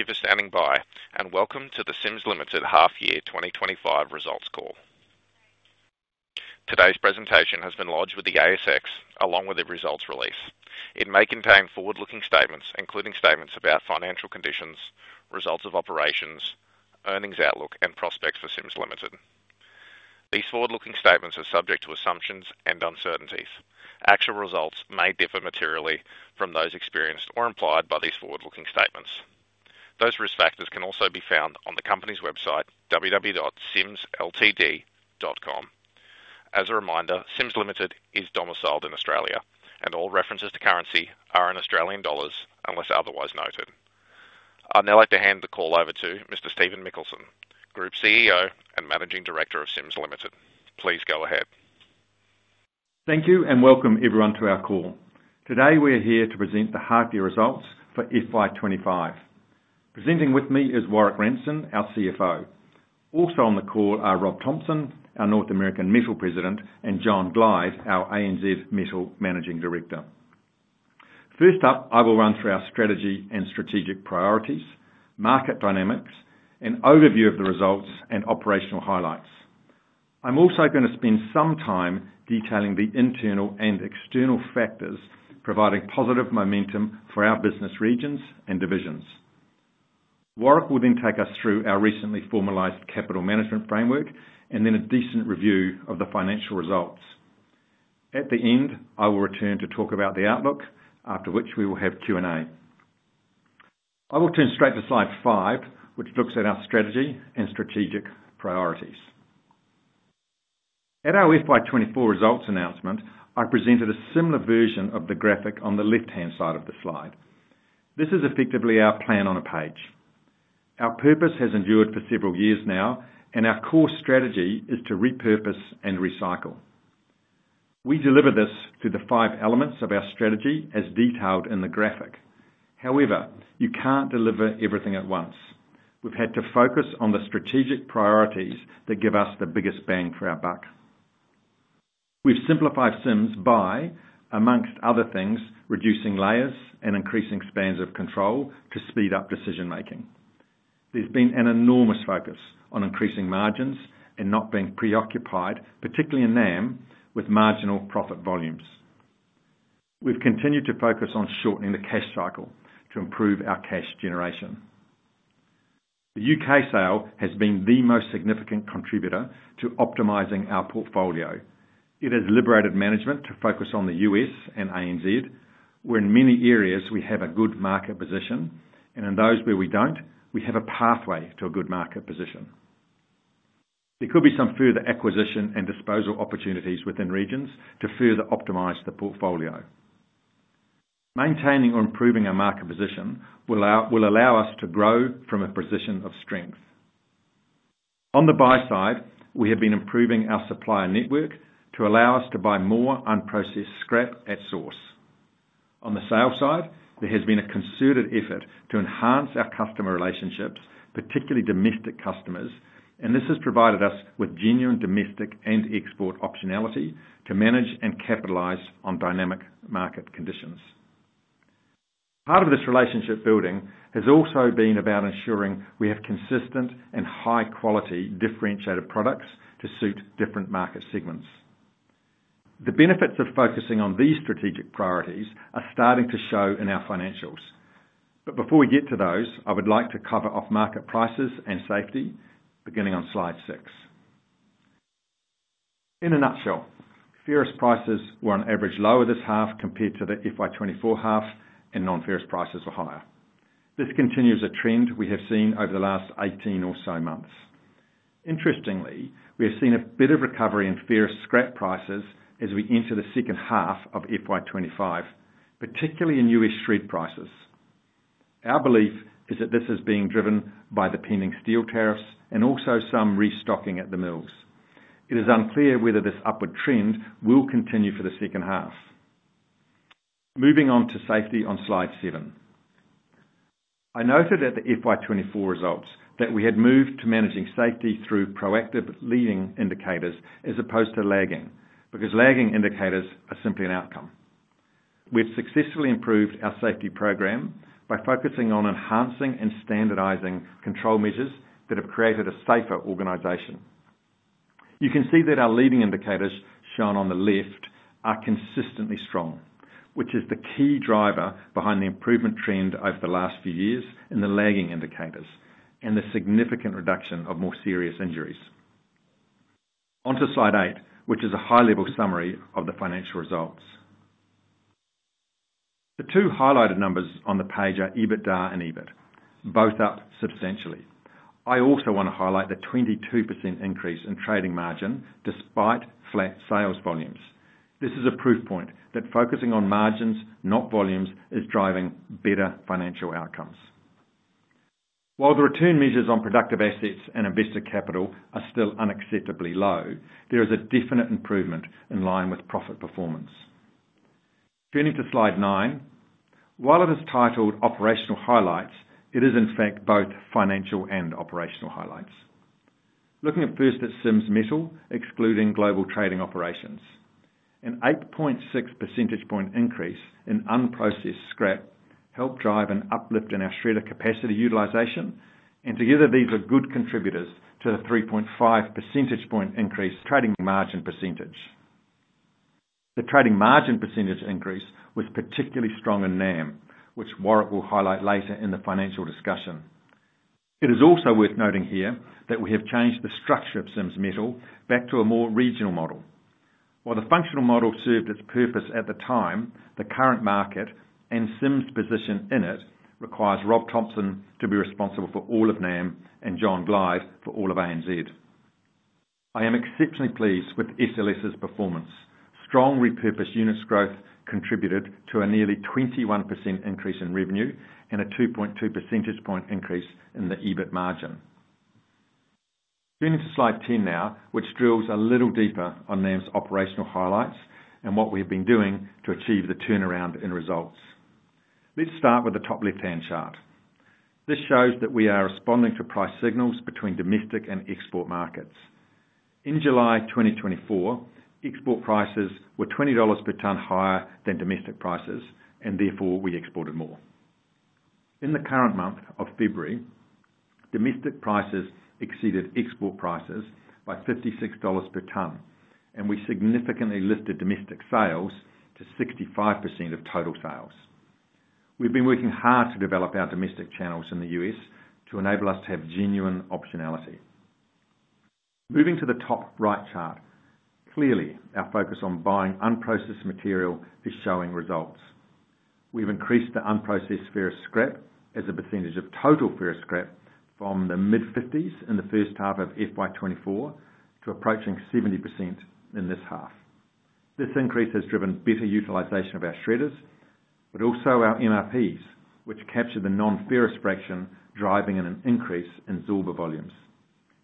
Thank you for standing by, and welcome to the Sims Limited half-year 2025 results call. Today's presentation has been lodged with the ASX, along with the results release. It may contain forward-looking statements, including statements about financial conditions, results of operations, earnings outlook and prospects for Sims Limited. These forward-looking statements are subject to assumptions and uncertainties. Actual results may differ materially from those experienced or implied by these forward-looking statements. Those risk factors can also be found on the company's website, www.simsltd.com. As a reminder, Sims Limited is domiciled in Australia, and all references to currency are in Australian dollars unless otherwise noted. I'd now like to hand the call over to Mr. Stephen Mikkelsen, Group CEO and Managing Director of Sims Limited. Please go ahead. Thank you, and welcome everyone to our call. Today we are here to present the half-year results for FI25. Presenting with me is Warrick Ranson, our CFO. Also on the call are Rob Thompson, our President, North American Metal, and John Glyde, our Managing Director, ANZ Metal. First up, I will run through our strategy and strategic priorities, market dynamics, an overview of the results, and operational highlights. I'm also going to spend some time detailing the internal and external factors providing positive momentum for our business regions and divisions. Warrick will then take us through our recently formalized capital management framework and then a detailed review of the financial results. At the end, I will return to talk about the outlook, after which we will have Q&A. I will turn straight to slide five, which looks at our strategy and strategic priorities. At our FI24 results announcement, I presented a similar version of the graphic on the left-hand side of the slide. This is effectively our plan on a page. Our purpose has endured for several years now, and our core strategy is to repurpose and recycle. We deliver this through the five elements of our strategy as detailed in the graphic. However, you can't deliver everything at once. We've had to focus on the strategic priorities that give us the biggest bang for our buck. We've simplified Sims by, among other things, reducing layers and increasing spans of control to speed up decision-making. There's been an enormous focus on increasing margins and not being preoccupied, particularly in NAM, with marginal profit volumes. We've continued to focus on shortening the cash cycle to improve our cash generation. The UK sale has been the most significant contributor to optimizing our portfolio. It has liberated management to focus on the U.S. and ANZ, where in many areas we have a good market position, and in those where we don't, we have a pathway to a good market position. There could be some further acquisition and disposal opportunities within regions to further optimize the portfolio. Maintaining or improving our market position will allow us to grow from a position of strength. On the buy side, we have been improving our supplier network to allow us to buy more unprocessed scrap at source. On the sale side, there has been a concerted effort to enhance our customer relationships, particularly domestic customers, and this has provided us with genuine domestic and export optionality to manage and capitalize on dynamic market conditions. Part of this relationship building has also been about ensuring we have consistent and high-quality differentiated products to suit different market segments. The benefits of focusing on these strategic priorities are starting to show in our financials, but before we get to those, I would like to cover off market prices and safety, beginning on slide six. In a nutshell, ferrous prices were on average lower this half compared to the FI24 half, and non-ferrous prices were higher. This continues a trend we have seen over the last 18 or so months. Interestingly, we have seen a bit of recovery in ferrous scrap prices as we enter the second half of FI25, particularly in U.S. shred prices. Our belief is that this is being driven by the pending steel tariffs and also some restocking at the mills. It is unclear whether this upward trend will continue for the second half. Moving on to safety on slide seven. I noted at the FI24 results that we had moved to managing safety through proactive leading indicators as opposed to lagging, because lagging indicators are simply an outcome. We've successfully improved our safety program by focusing on enhancing and standardizing control measures that have created a safer organization. You can see that our leading indicators shown on the left are consistently strong, which is the key driver behind the improvement trend over the last few years in the lagging indicators and the significant reduction of more serious injuries. Onto slide eight, which is a high-level summary of the financial results. The two highlighted numbers on the page are EBITDA and EBIT, both up substantially. I also want to highlight the 22% increase in trading margin despite flat sales volumes. This is a proof point that focusing on margins, not volumes, is driving better financial outcomes. While the return measures on productive assets and investor capital are still unacceptably low, there is a definite improvement in line with profit performance. Turning to slide nine, while it is titled operational highlights, it is in fact both financial and operational highlights. Looking first at Sims Metal, excluding global trading operations, an 8.6 percentage point increase in unprocessed scrap helped drive an uplift in our shredder capacity utilization, and together these are good contributors to the 3.5 percentage point increase trading margin percentage. The trading margin percentage increase was particularly strong in NAM, which Warrick will highlight later in the financial discussion. It is also worth noting here that we have changed the structure of Sims Metal back to a more regional model. While the functional model served its purpose at the time, the current market and Sims' position in it requires Rob Thompson to be responsible for all of NAM and John Glyde for all of ANZ. I am exceptionally pleased with SLS's performance. Strong repurposed units growth contributed to a nearly 21% increase in revenue and a 2.2 percentage point increase in the EBIT margin. Turning to slide 10 now, which drills a little deeper on NAM's operational highlights and what we have been doing to achieve the turnaround in results. Let's start with the top left-hand chart. This shows that we are responding to price signals between domestic and export markets. In July 2024, export prices were $20 per ton higher than domestic prices, and therefore we exported more. In the current month of February, domestic prices exceeded export prices by $56 per ton, and we significantly lifted domestic sales to 65% of total sales. We've been working hard to develop our domestic channels in the U.S. to enable us to have genuine optionality. Moving to the top right chart, clearly our focus on buying unprocessed material is showing results. We've increased the unprocessed ferrous scrap as a percentage of total ferrous scrap from the mid-50s in the first half of FI24 to approaching 70% in this half. This increase has driven better utilization of our shredders, but also our MRPs, which capture the non-ferrous fraction, driving an increase in Zorba volumes.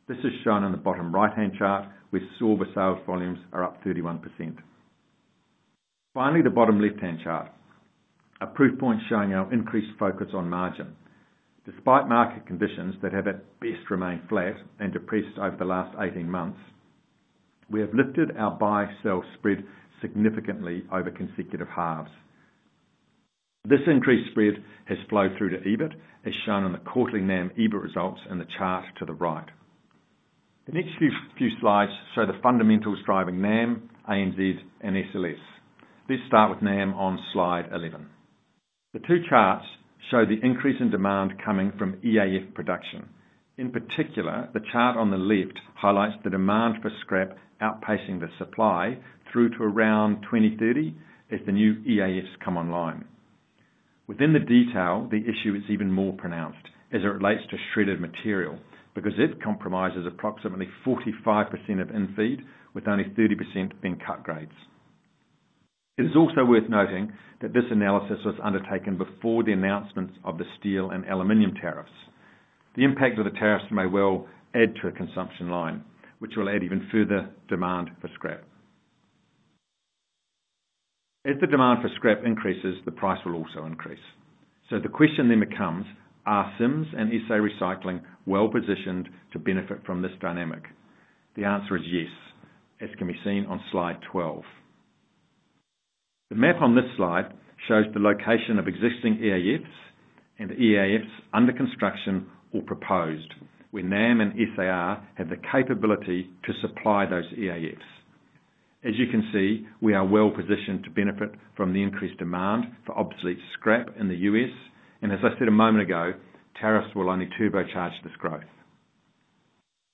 This is shown on the bottom right-hand chart, where Zorba sales volumes are up 31%. Finally, the bottom left-hand chart, a proof point showing our increased focus on margin. Despite market conditions that have at best remained flat and depressed over the last 18 months, we have lifted our buy/sell spread significantly over consecutive halves. This increased spread has flowed through to EBIT, as shown in the quarterly NAM EBIT results in the chart to the right. The next few slides show the fundamentals driving NAM, ANZ, and SLS. Let's start with NAM on slide 11. The two charts show the increase in demand coming from EAF production. In particular, the chart on the left highlights the demand for scrap outpacing the supply through to around 2030 as the new EAFs come online. Within the detail, the issue is even more pronounced as it relates to shredded material, because it comprises approximately 45% of in-feed with only 30% being cut grades. It is also worth noting that this analysis was undertaken before the announcements of the steel and aluminum tariffs. The impact of the tariffs may well add to a consumption line, which will add even further demand for scrap. As the demand for scrap increases, the price will also increase. So the question then becomes, are Sims and SA Recycling well positioned to benefit from this dynamic? The answer is yes, as can be seen on slide 12. The map on this slide shows the location of existing EAFs and EAFs under construction or proposed, where NAM and SAR have the capability to supply those EAFs. As you can see, we are well positioned to benefit from the increased demand for obsolete scrap in the U.S., and as I said a moment ago, tariffs will only turbocharge this growth.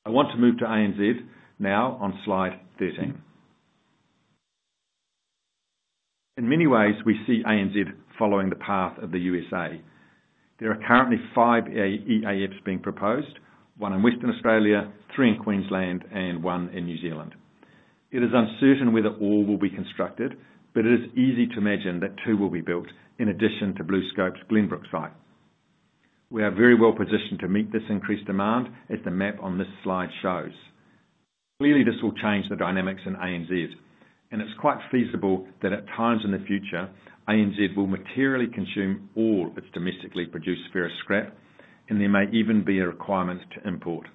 I want to move to ANZ now on slide 13. In many ways, we see ANZ following the path of the USA. There are currently five EAFs being proposed, one in Western Australia, three in Queensland, and one in New Zealand. It is uncertain whether all will be constructed, but it is easy to imagine that two will be built in addition to BlueScope's Glenbrook site. We are very well positioned to meet this increased demand, as the map on this slide shows. Clearly, this will change the dynamics in ANZ, and it's quite feasible that at times in the future, ANZ will materially consume all its domestically produced ferrous scrap, and there may even be a requirement to import.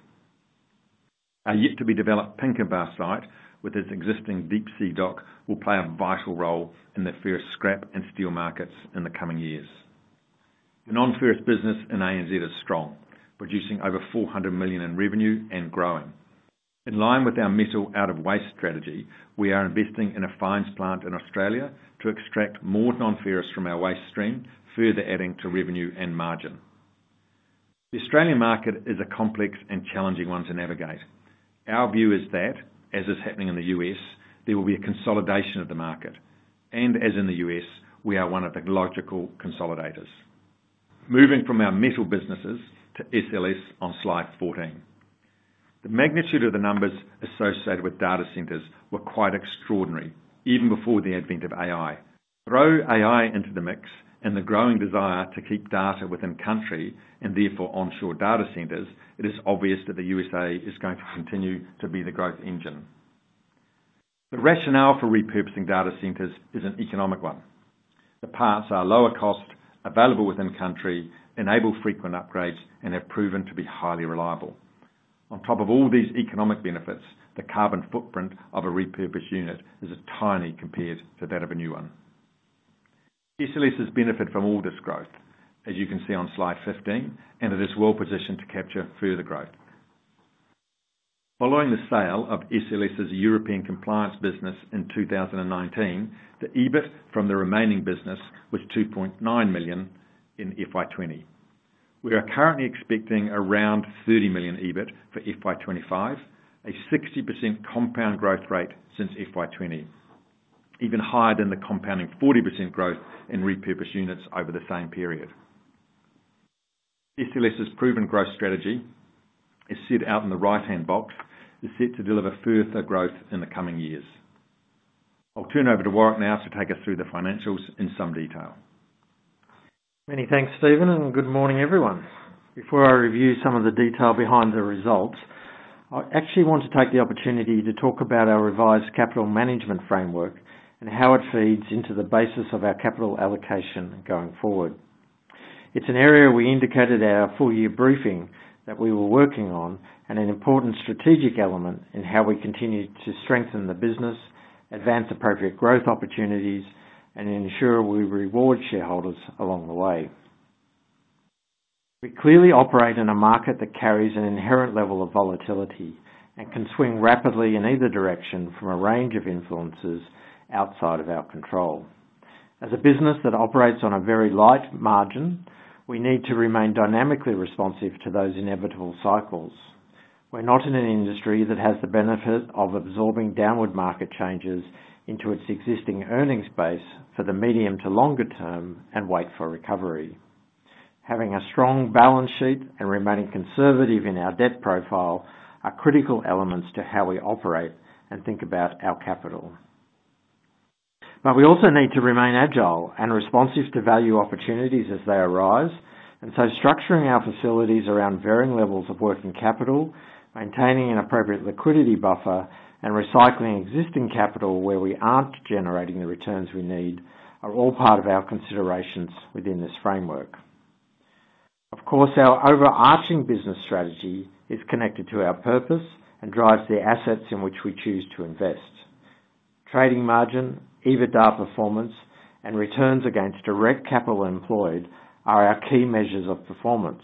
Our yet-to-be-developed Pinkenba site, with its existing deep-sea dock, will play a vital role in the ferrous scrap and steel markets in the coming years. The non-ferrous business in ANZ is strong, producing over 400 million in revenue and growing. In line with our metal out-of-waste strategy, we are investing in a fines plant in Australia to extract more non-ferrous from our waste stream, further adding to revenue and margin. The Australian market is a complex and challenging one to navigate. Our view is that, as is happening in the U.S., there will be a consolidation of the market, and as in the U.S., we are one of the logical consolidators. Moving from our metal businesses to SLS on slide 14. The magnitude of the numbers associated with data centers were quite extraordinary, even before the advent of AI. Throw AI into the mix and the growing desire to keep data within country and therefore onshore data centers, it is obvious that the USA is going to continue to be the growth engine. The rationale for repurposing data centers is an economic one. The parts are lower cost, available within country, enable frequent upgrades, and have proven to be highly reliable. On top of all these economic benefits, the carbon footprint of a repurposed unit is tiny compared to that of a new one. SLS has benefited from all this growth, as you can see on slide 15, and it is well positioned to capture further growth. Following the sale of SLS's European compliance business in 2019, the EBIT from the remaining business was 2.9 million in FI20. We are currently expecting around 30 million EBIT for FI25, a 60% compound growth rate since FI20, even higher than the compounding 40% growth in repurposed units over the same period. SLS's proven growth strategy, as set out in the right-hand box, is set to deliver further growth in the coming years. I'll turn over to Warrick now to take us through the financials in some detail. Many thanks, Stephen, and good morning, everyone. Before I review some of the detail behind the results, I actually want to take the opportunity to talk about our revised capital management framework and how it feeds into the basis of our capital allocation going forward. It's an area we indicated our full-year briefing that we were working on and an important strategic element in how we continue to strengthen the business, advance appropriate growth opportunities, and ensure we reward shareholders along the way. We clearly operate in a market that carries an inherent level of volatility and can swing rapidly in either direction from a range of influences outside of our control. As a business that operates on a very light margin, we need to remain dynamically responsive to those inevitable cycles. We're not in an industry that has the benefit of absorbing downward market changes into its existing earnings base for the medium to longer term and wait for recovery. Having a strong balance sheet and remaining conservative in our debt profile are critical elements to how we operate and think about our capital. We also need to remain agile and responsive to value opportunities as they arise, and so structuring our facilities around varying levels of working capital, maintaining an appropriate liquidity buffer, and recycling existing capital where we aren't generating the returns we need are all part of our considerations within this framework. Of course, our overarching business strategy is connected to our purpose and drives the assets in which we choose to invest. Trading margin, EBITDA performance, and returns against direct capital employed are our key measures of performance,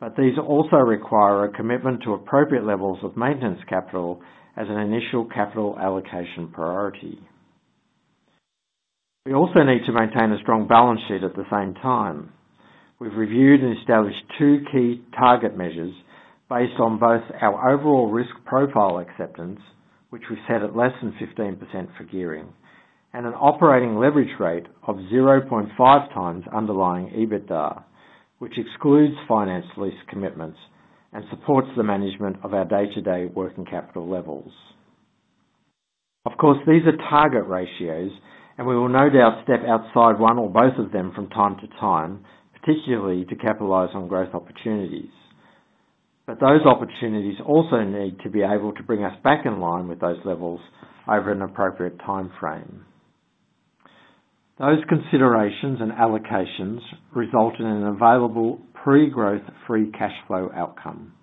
but these also require a commitment to appropriate levels of maintenance capital as an initial capital allocation priority. We also need to maintain a strong balance sheet at the same time. We've reviewed and established two key target measures based on both our overall risk profile acceptance, which we set at less than 15% for gearing, and an operating leverage rate of 0.5 times underlying EBITDA, which excludes finance lease commitments and supports the management of our day-to-day working capital levels. These are target ratios, and we will no doubt step outside one or both of them from time to time, particularly to capitalize on growth opportunities. But those opportunities also need to be able to bring us back in line with those levels over an appropriate timeframe. Those considerations and allocations result in an available pre-growth free cash flow outcome.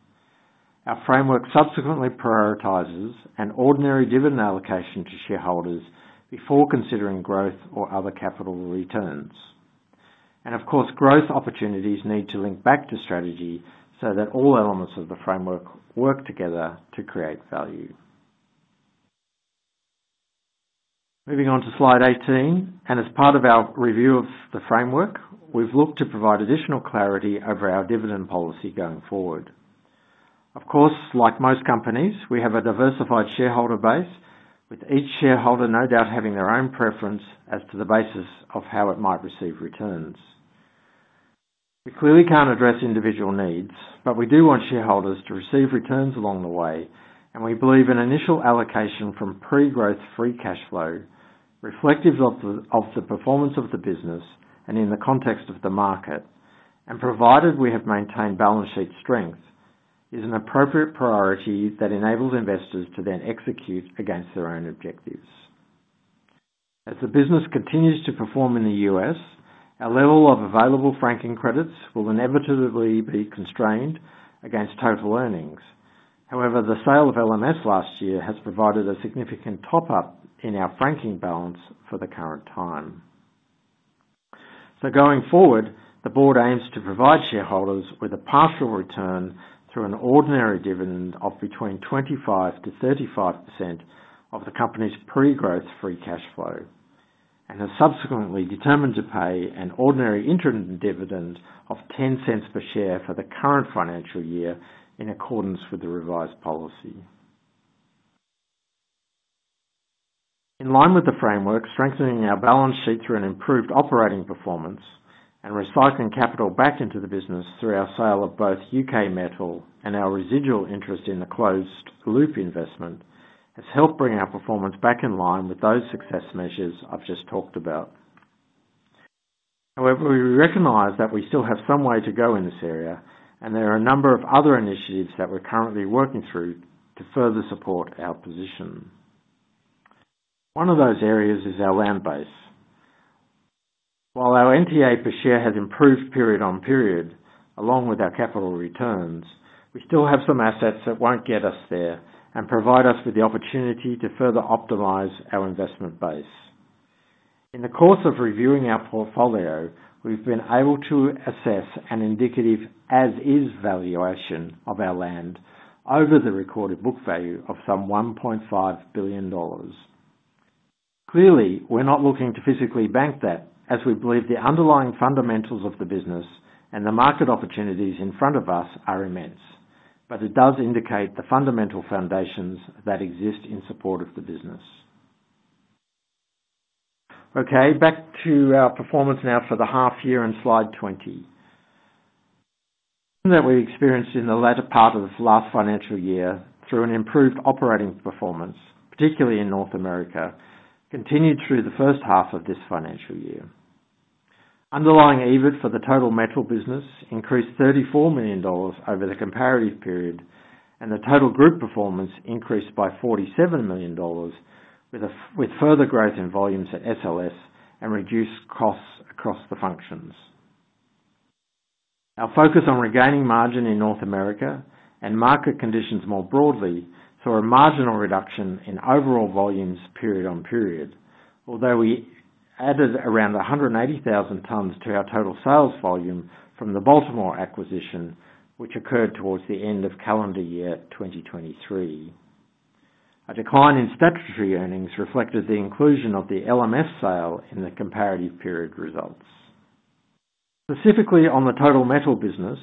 Our framework subsequently prioritizes an ordinary dividend allocation to shareholders before considering growth or other capital returns. Growth opportunities need to link back to strategy so that all elements of the framework work together to create value. Moving on to slide 18, and as part of our review of the framework, we've looked to provide additional clarity over our dividend policy going forward. Of course, like most companies, we have a diversified shareholder base, with each shareholder no doubt having their own preference as to the basis of how it might receive returns. We clearly can't address individual needs, but we do want shareholders to receive returns along the way, and we believe an initial allocation from pre-growth free cash flow, reflective of the performance of the business and in the context of the market, and provided we have maintained balance sheet strength, is an appropriate priority that enables investors to then execute against their own objectives. As the business continues to perform in the U.S., our level of available franking credits will inevitably be constrained against total earnings. However, the sale of LMS last year has provided a significant top-up in our franking balance for the current time. Going forward, the board aims to provide shareholders with a partial return through an ordinary dividend of between 25%-35% of the company's pre-growth free cash flow, and has subsequently determined to pay an ordinary interim dividend of 0.10 per share for the current financial year in accordance with the revised policy. In line with the framework, strengthening our balance sheet through an improved operating performance and recycling capital back into the business through our sale of both UK Metal and our residual interest in the Closed Loop investment has helped bring our performance back in line with those success measures I've just talked about. However, we recognize that we still have some way to go in this area, and there are a number of other initiatives that we're currently working through to further support our position. One of those areas is our land base. While our NTA per share has improved period on period, along with our capital returns, we still have some assets that won't get us there and provide us with the opportunity to further optimize our investment base. In the course of reviewing our portfolio, we've been able to assess an indicative as-is valuation of our land over the recorded book value of some 1.5 billion dollars. Clearly, we're not looking to physically bank that, as we believe the underlying fundamentals of the business and the market opportunities in front of us are immense, but it does indicate the fundamental foundations that exist in support of the business. Okay, back to our performance now for the half year and slide 20. That we experienced in the latter part of the last financial year through an improved operating performance, particularly in North America, continued through the first half of this financial year. Underlying EBIT for the total metal business increased 34 million dollars over the comparative period, and the total group performance increased by 47 million dollars, with further growth in volumes at SLS and reduced costs across the functions. Our focus on regaining margin in North America and market conditions more broadly saw a marginal reduction in overall volumes period on period, although we added around 180,000 tons to our total sales volume from the Baltimore acquisition, which occurred towards the end of calendar year 2023. A decline in statutory earnings reflected the inclusion of the LMS sale in the comparative period results. Specifically on the total metal business,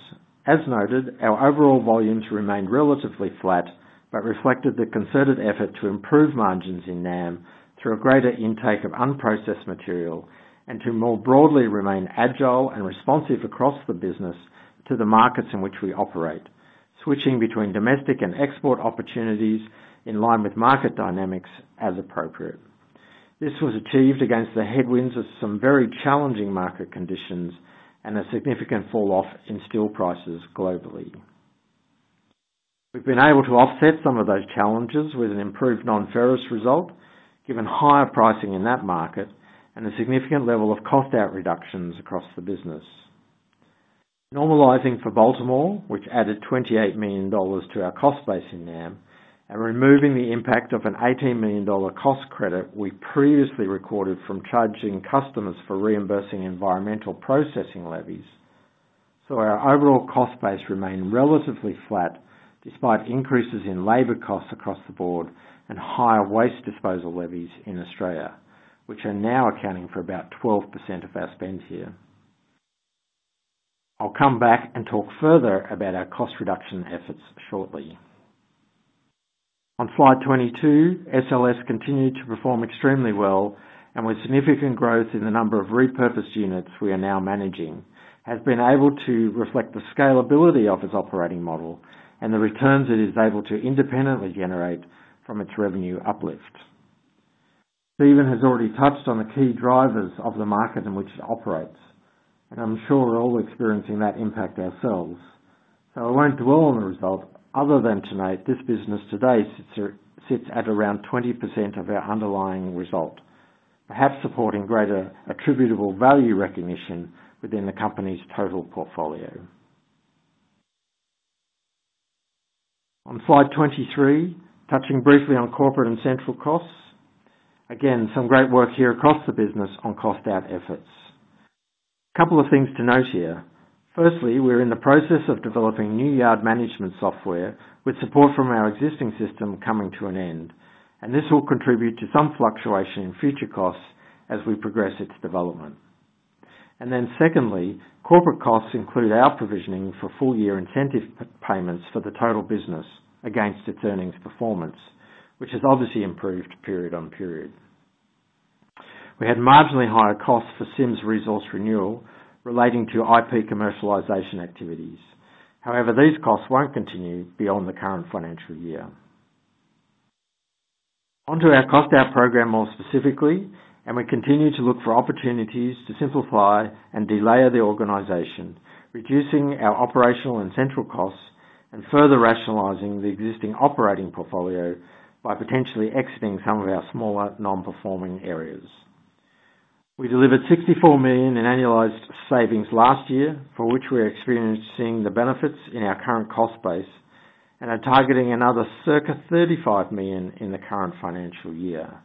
as noted, our overall volumes remained relatively flat but reflected the concerted effort to improve margins in NAM through a greater intake of unprocessed material and to more broadly remain agile and responsive across the business to the markets in which we operate, switching between domestic and export opportunities in line with market dynamics as appropriate. This was achieved against the headwinds of some very challenging market conditions and a significant falloff in steel prices globally. We've been able to offset some of those challenges with an improved non-ferrous result, given higher pricing in that market and a significant level of cost-out reductions across the business. Normalizing for Baltimore, which added $28 million to our cost base in NAM, and removing the impact of an $18 million cost credit we previously recorded from charging customers for reimbursing environmental processing levies, so our overall cost base remained relatively flat despite increases in labor costs across the board and higher waste disposal levies in Australia, which are now accounting for about 12% of our spend here. I'll come back and talk further about our cost reduction efforts shortly. On slide 22, SLS continued to perform extremely well and with significant growth in the number of repurposed units we are now managing, has been able to reflect the scalability of its operating model and the returns it is able to independently generate from its revenue uplift. Stephen has already touched on the key drivers of the market in which it operates, and I'm sure we're all experiencing that impact ourselves. I won't dwell on the result other than to note this business today sits at around 20% of our underlying result, perhaps supporting greater attributable value recognition within the company's total portfolio. On slide 23, touching briefly on corporate and central costs, again, some great work here across the business on cost-out efforts. A couple of things to note here. Firstly, we're in the process of developing new yard management software with support from our existing system coming to an end, and this will contribute to some fluctuation in future costs as we progress its development. Then secondly, corporate costs include our provisioning for full-year incentive payments for the total business against its earnings performance, which has obviously improved period on period. We had marginally higher costs for Sims Resource Renewal relating to IP commercialization activities. However, these costs won't continue beyond the current financial year. Onto our cost-out program more specifically, and we continue to look for opportunities to simplify and delayer the organization, reducing our operational and central costs and further rationalizing the existing operating portfolio by potentially exiting some of our smaller non-performing areas. We delivered 64 million in annualized savings last year, for which we're experiencing the benefits in our current cost base and are targeting another circa 35 million in the current financial year.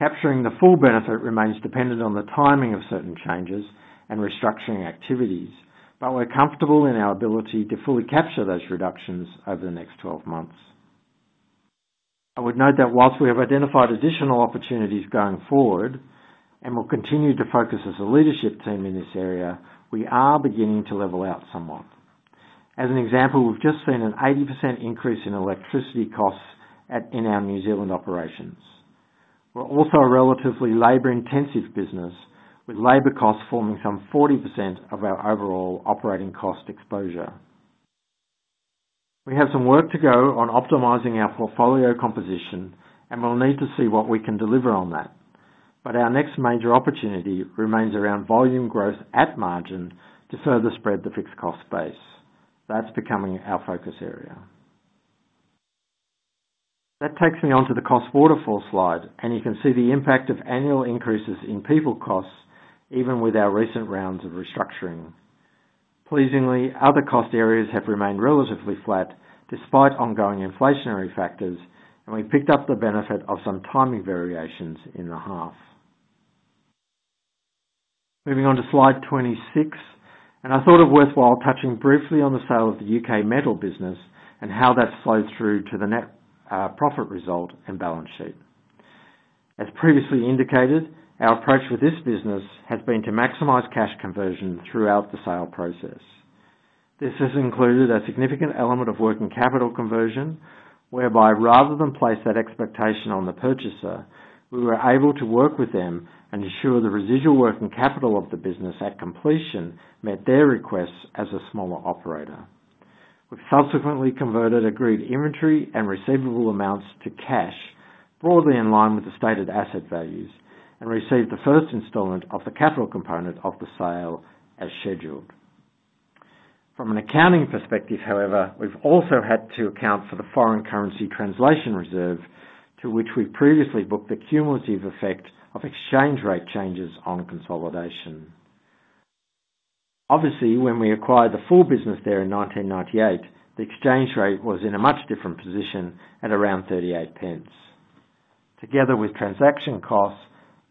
Capturing the full benefit remains dependent on the timing of certain changes and restructuring activities, but we're comfortable in our ability to fully capture those reductions over the next 12 months. I would note that while we have identified additional opportunities going forward and will continue to focus as a leadership team in this area, we are beginning to level out somewhat. As an example, we've just seen an 80% increase in electricity costs in our New Zealand operations. We're also a relatively labor-intensive business, with labor costs forming some 40% of our overall operating cost exposure. We have some work to go on optimizing our portfolio composition, and we'll need to see what we can deliver on that. But our next major opportunity remains around volume growth at margin to further spread the fixed cost base. That's becoming our focus area. That takes me on to the cost waterfall slide, and you can see the impact of annual increases in people costs, even with our recent rounds of restructuring. Pleasingly, other cost areas have remained relatively flat despite ongoing inflationary factors, and we've picked up the benefit of some timing variations in the half. Moving on to slide 26, and I thought it worthwhile touching briefly on the sale of the UK Metal business and how that flows through to the net profit result and balance sheet. As previously indicated, our approach with this business has been to maximize cash conversion throughout the sale process. This has included a significant element of working capital conversion, whereby rather than place that expectation on the purchaser, we were able to work with them and ensure the residual working capital of the business at completion met their requests as a smaller operator. We've subsequently converted agreed inventory and receivable amounts to cash, broadly in line with the stated asset values, and received the first installment of the capital component of the sale as scheduled. From an accounting perspective, however, we've also had to account for the foreign currency translation reserve, to which we've previously booked the cumulative effect of exchange rate changes on consolidation. Obviously, when we acquired the full business there in 1998, the exchange rate was in a much different position at around 38 pence. Together with transaction costs,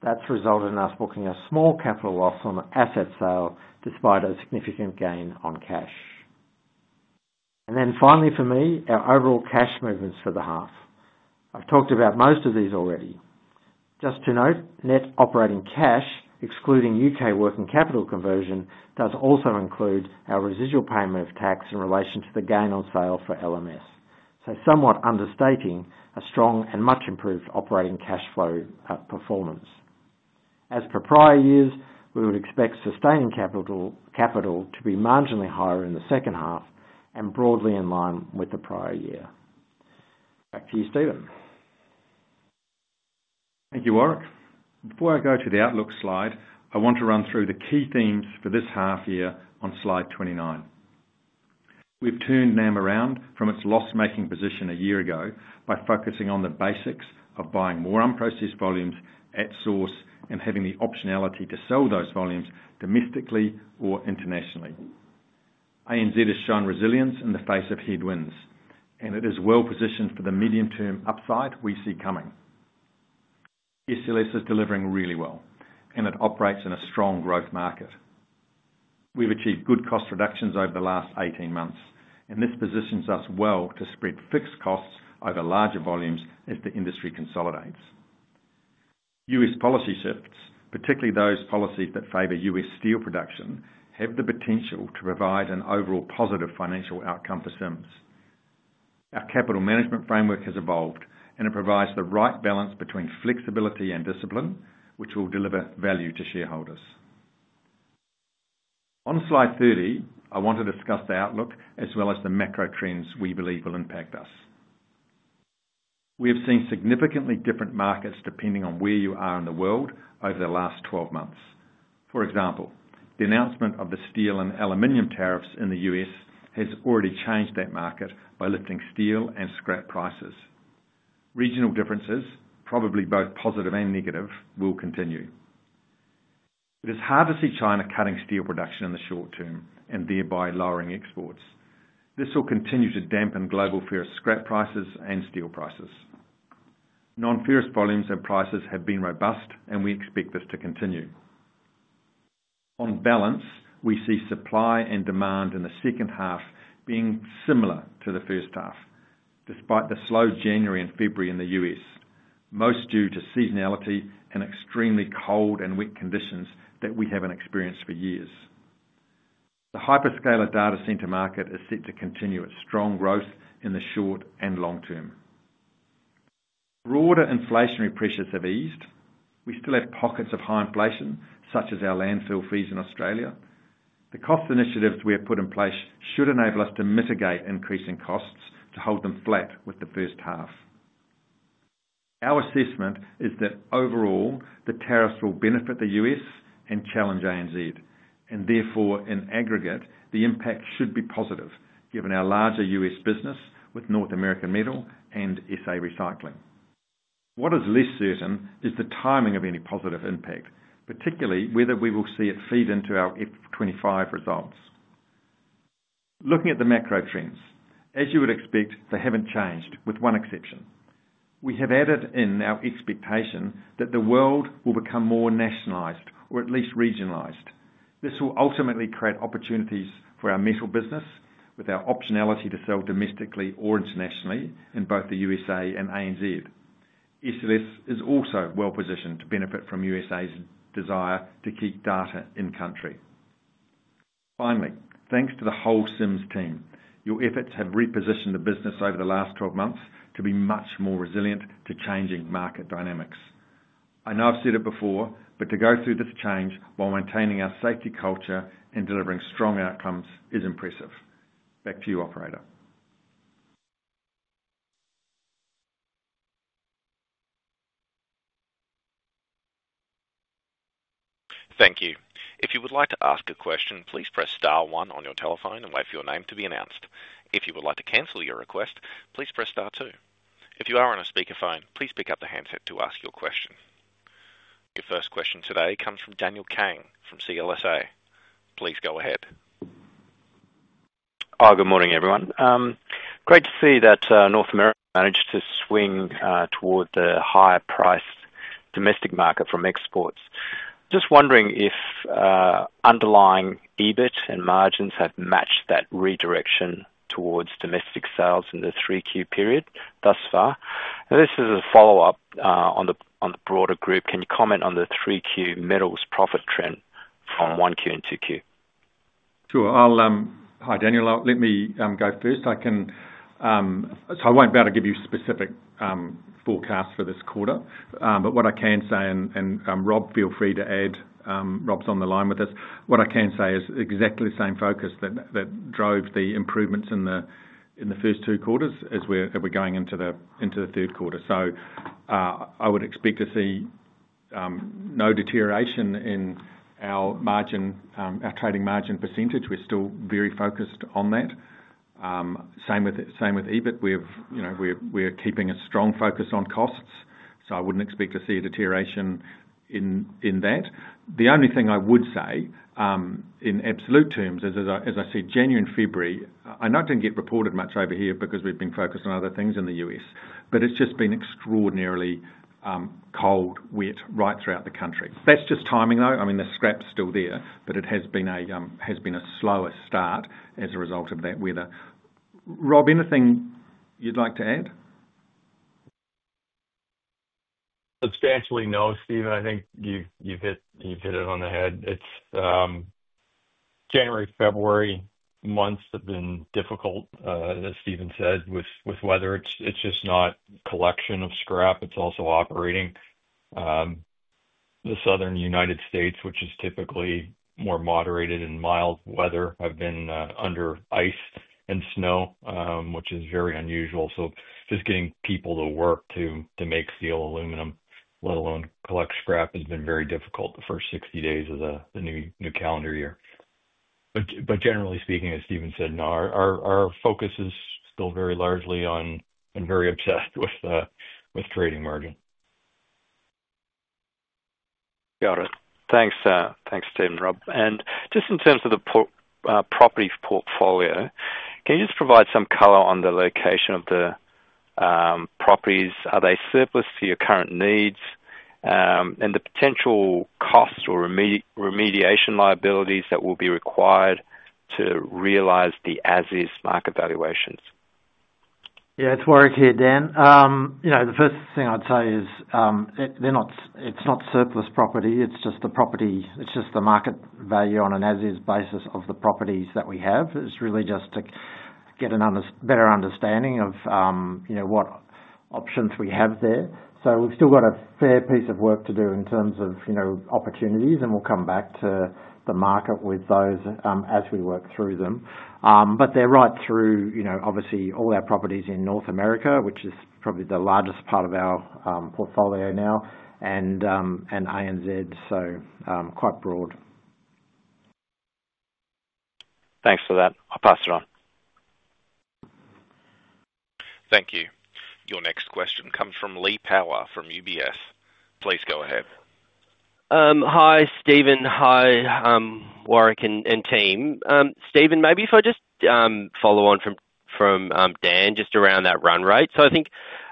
that's resulted in us booking a small capital loss on asset sale despite a significant gain on cash, and then finally for me, our overall cash movements for the half. I've talked about most of these already. Just to note, net operating cash, excluding UK working capital conversion, does also include our residual payment of tax in relation to the gain on sale for LMS, so somewhat understating a strong and much improved operating cash flow performance. As for prior years, we would expect sustaining capital to be marginally higher in the second half and broadly in line with the prior year. Back to you, Stephen. Thank you, Warrick. Before I go to the outlook slide, I want to run through the key themes for this half year on slide 29. We've turned NAM around from its loss-making position a year ago by focusing on the basics of buying more unprocessed volumes at source and having the optionality to sell those volumes domestically or internationally. ANZ has shown resilience in the face of headwinds, and it is well positioned for the medium-term upside we see coming. SLS is delivering really well, and it operates in a strong growth market. We've achieved good cost reductions over the last 18 months, and this positions us well to spread fixed costs over larger volumes as the industry consolidates. U.S. policy shifts, particularly those policies that favor U.S. steel production, have the potential to provide an overall positive financial outcome for Sims. Our capital management framework has evolved, and it provides the right balance between flexibility and discipline, which will deliver value to shareholders. On slide 30, I want to discuss the outlook as well as the macro trends we believe will impact us. We have seen significantly different markets depending on where you are in the world over the last 12 months. For example, the announcement of the steel and aluminum tariffs in the U.S. has already changed that market by lifting steel and scrap prices. Regional differences, probably both positive and negative, will continue. It is hard to see China cutting steel production in the short term and thereby lowering exports. This will continue to dampen global scrap prices and steel prices. Non-ferrous volumes and prices have been robust, and we expect this to continue. On balance, we see supply and demand in the second half being similar to the first half, despite the slow January and February in the U.S., most due to seasonality and extremely cold and wet conditions that we haven't experienced for years. The hyperscaler data center market is set to continue its strong growth in the short and long term. Broader inflationary pressures have eased. We still have pockets of high inflation, such as our landfill fees in Australia. The cost initiatives we have put in place should enable us to mitigate increasing costs to hold them flat with the first half. Our assessment is that overall, the tariffs will benefit the U.S. and challenge ANZ, and therefore, in aggregate, the impact should be positive, given our larger U.S. business with North American Metal and SA Recycling. What is less certain is the timing of any positive impact, particularly whether we will see it feed into our F25 results. Looking at the macro trends, as you would expect, they haven't changed, with one exception. We have added in our expectation that the world will become more nationalized, or at least regionalized. This will ultimately create opportunities for our metal business, with our optionality to sell domestically or internationally in both the USA and ANZ. SLS is also well positioned to benefit from USA's desire to keep data in-country. Finally, thanks to the whole Sims team, your efforts have repositioned the business over the last 12 months to be much more resilient to changing market dynamics. I know I've said it before, but to go through this change while maintaining our safety culture and delivering strong outcomes is impressive. Back to you, Operator. Thank you. If you would like to ask a question, please press star one on your telephone and wait for your name to be announced. If you would like to cancel your request, please press star two. If you are on a speakerphone, please pick up the handset to ask your question. Your first question today comes from Daniel Kang from CLSA. Please go ahead. Hi, good morning, everyone. Great to see that North America managed to swing toward the higher-priced domestic market from exports. Just wondering if underlying EBIT and margins have matched that redirection towards domestic sales in the three-Q period thus far. This is a follow-up on the broader group. Can you comment on the three-Q metals profit trend from one-Q and two-Q? Hi, Daniel. Let me go first. I won't be able to give you specific forecasts for this quarter, but what I can say, and Rob, feel free to add, Rob's on the line with us. What I can say is exactly the same focus that drove the improvements in the first two quarters as we're going into the third quarter. I would expect to see no deterioration in our trading margin percentage. We're still very focused on that. Same with EBIT. We're keeping a strong focus on costs, so I wouldn't expect to see a deterioration in that. The only thing I would say in absolute terms is, as I said, January and February. I know it didn't get reported much over here because we've been focused on other things in the U.S., but it's just been extraordinarily cold, wet, right throughout the country. That's just timing, though. The scrap's still there, but it has been a slower start as a result of that weather. Rob, anything you'd like to add? Substantially, no, Stephen. I think you've hit it on the head. January-February months have been difficult, as Stephen said, with weather. It's just not a collection of scrap. It's also operating. The southern United States, which is typically more moderated and mild weather, have been under ice and snow, which is very unusual. Just getting people to work to make steel aluminum, let alone collect scrap, has been very difficult the first 60 days of the new calendar year. But generally speaking, as Stephen said, our focus is still very largely on and very obsessed with trading margin. Got it. Thanks, Stephen and Rob. Just in terms of the property portfolio, can you just provide some color on the location of the properties? Are they surplus to your current needs? And the potential cost or remediation liabilities that will be required to realize the as-is market valuations? Yeah, it's Warrick here, Dan. The first thing I'd say is it's not surplus property. It's just the property. It's just the market value on an as-is basis of the properties that we have. It's really just to get a better understanding of what options we have there. We've still got a fair piece of work to do in terms of opportunities, and we'll come back to the market with those as we work through them. But they're right through, obviously, all our properties in North America, which is probably the largest part of our portfolio now, and ANZ, so quite broad. Thanks for that. I'll pass it on. Thank you. Your next question comes from Lee Power from UBS. Please go ahead. Hi, Stephen. Hi, Warrick and team. Stephen, maybe if I just follow on from Dan just around that run rate. So I think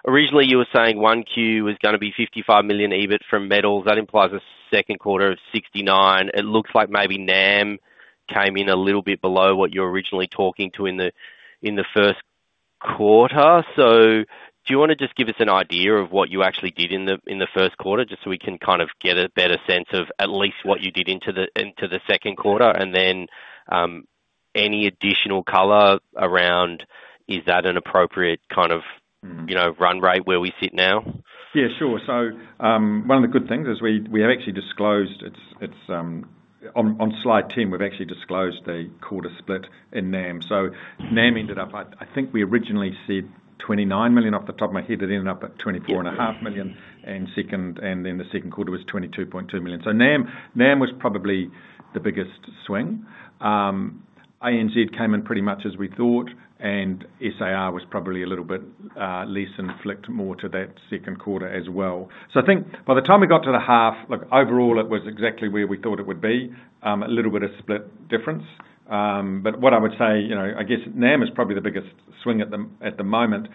originally you were saying 1Q was going to be 55 million EBIT from metals. That implies a second quarter of 69. It looks like maybe NAM came in a little bit below what you're originally talking to in the first quarter. So do you want to just give us an idea of what you actually did in the first quarter, just so we can get a better sense of at least what you did into the second quarter? Then any additional color around, is that an appropriate run rate where we sit now? Yeah, sure. One of the good things is we have actually disclosed on slide 10, we've actually disclosed the quarter split in NAM. So NAM ended up, I think we originally said 29 million off the top of my head. It ended up at 24.5 million, and then the second quarter was 22.2 million. NAM was probably the biggest swing. ANZ came in pretty much as we thought, and SAR was probably a little bit less and flicked more to that second quarter as well. I think by the time we got to the half, look, overall, it was exactly where we thought it would be, a little bit of split difference. What I would say, NAM is probably the biggest swing at the moment.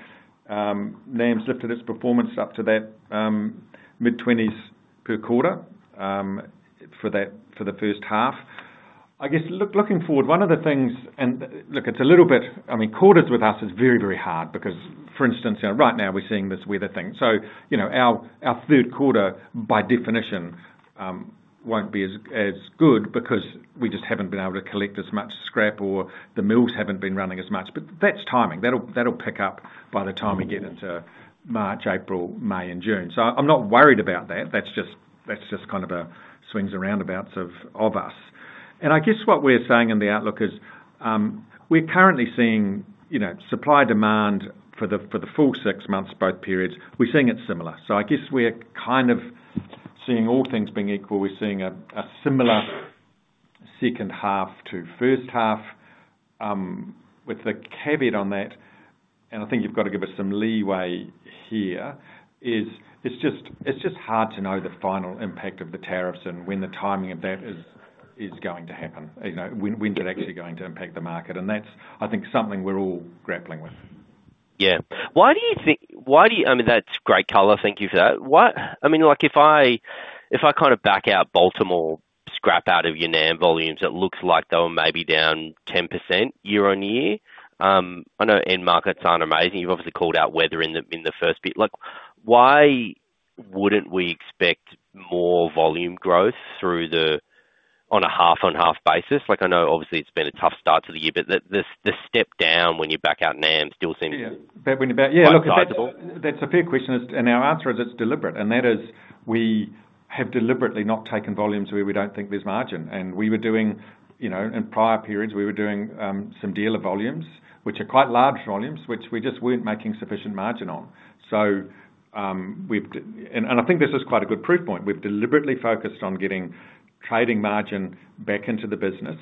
NAM's lifted its performance up to that mid-20s per quarter for the first half. Looking forward, one of the things, and look, it's a little bit, quarters with us is very, very hard because, for instance, right now we're seeing this weather thing. Our third quarter, by definition, won't be as good because we just haven't been able to collect as much scrap or the mills haven't been running as much. That's timing. That'll pick up by the time we get into March, April, May, and June. So I'm not worried about that. That's just a swings and roundabouts of us. What we're saying in the outlook is we're currently seeing supply-demand for the full six months, both periods. We're seeing it similar. We're seeing all things being equal. We're seeing a similar second half to first half. With the caveat on that, I think you've got to give us some leeway here. It's just hard to know the final impact of the tariffs and when the timing of that is going to happen, when they're actually going to impact the market. That's, I think, something we're all grappling with. Yeah. Why do you think? That's great color. Thank you for that. If I back out Baltimore scrap out of your NAM volumes, it looks like they were maybe down 10% year-on-year. I know end markets aren't amazing. You've obviously called out weather in the first bit. Look, why wouldn't we expect more volume growth through the on a half-on-half basis? I know, obviously, it's been a tough start to the year, but the step down when you back out NAM still seems acceptable. Yeah, but that's a fair question, and our answer is it's deliberate. That is we have deliberately not taken volumes where we don't think there's margin. We were doing, in prior periods, we were doing some dealer volumes, which are quite large volumes, which we just weren't making sufficient margin on. And I think this is quite a good proof point. We've deliberately focused on getting trading margin back into the business.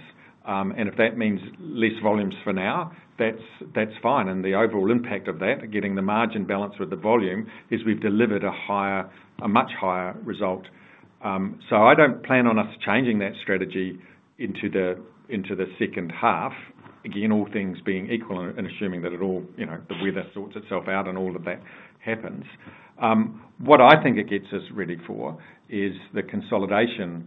If that means less volumes for now, that's fine. The overall impact of that, getting the margin balance with the volume, is we've delivered a much higher result. So I don't plan on us changing that strategy into the second half, again, all things being equal and assuming that it all, the weather sorts itself out and all of that happens. What I think it gets us ready for is the consolidation of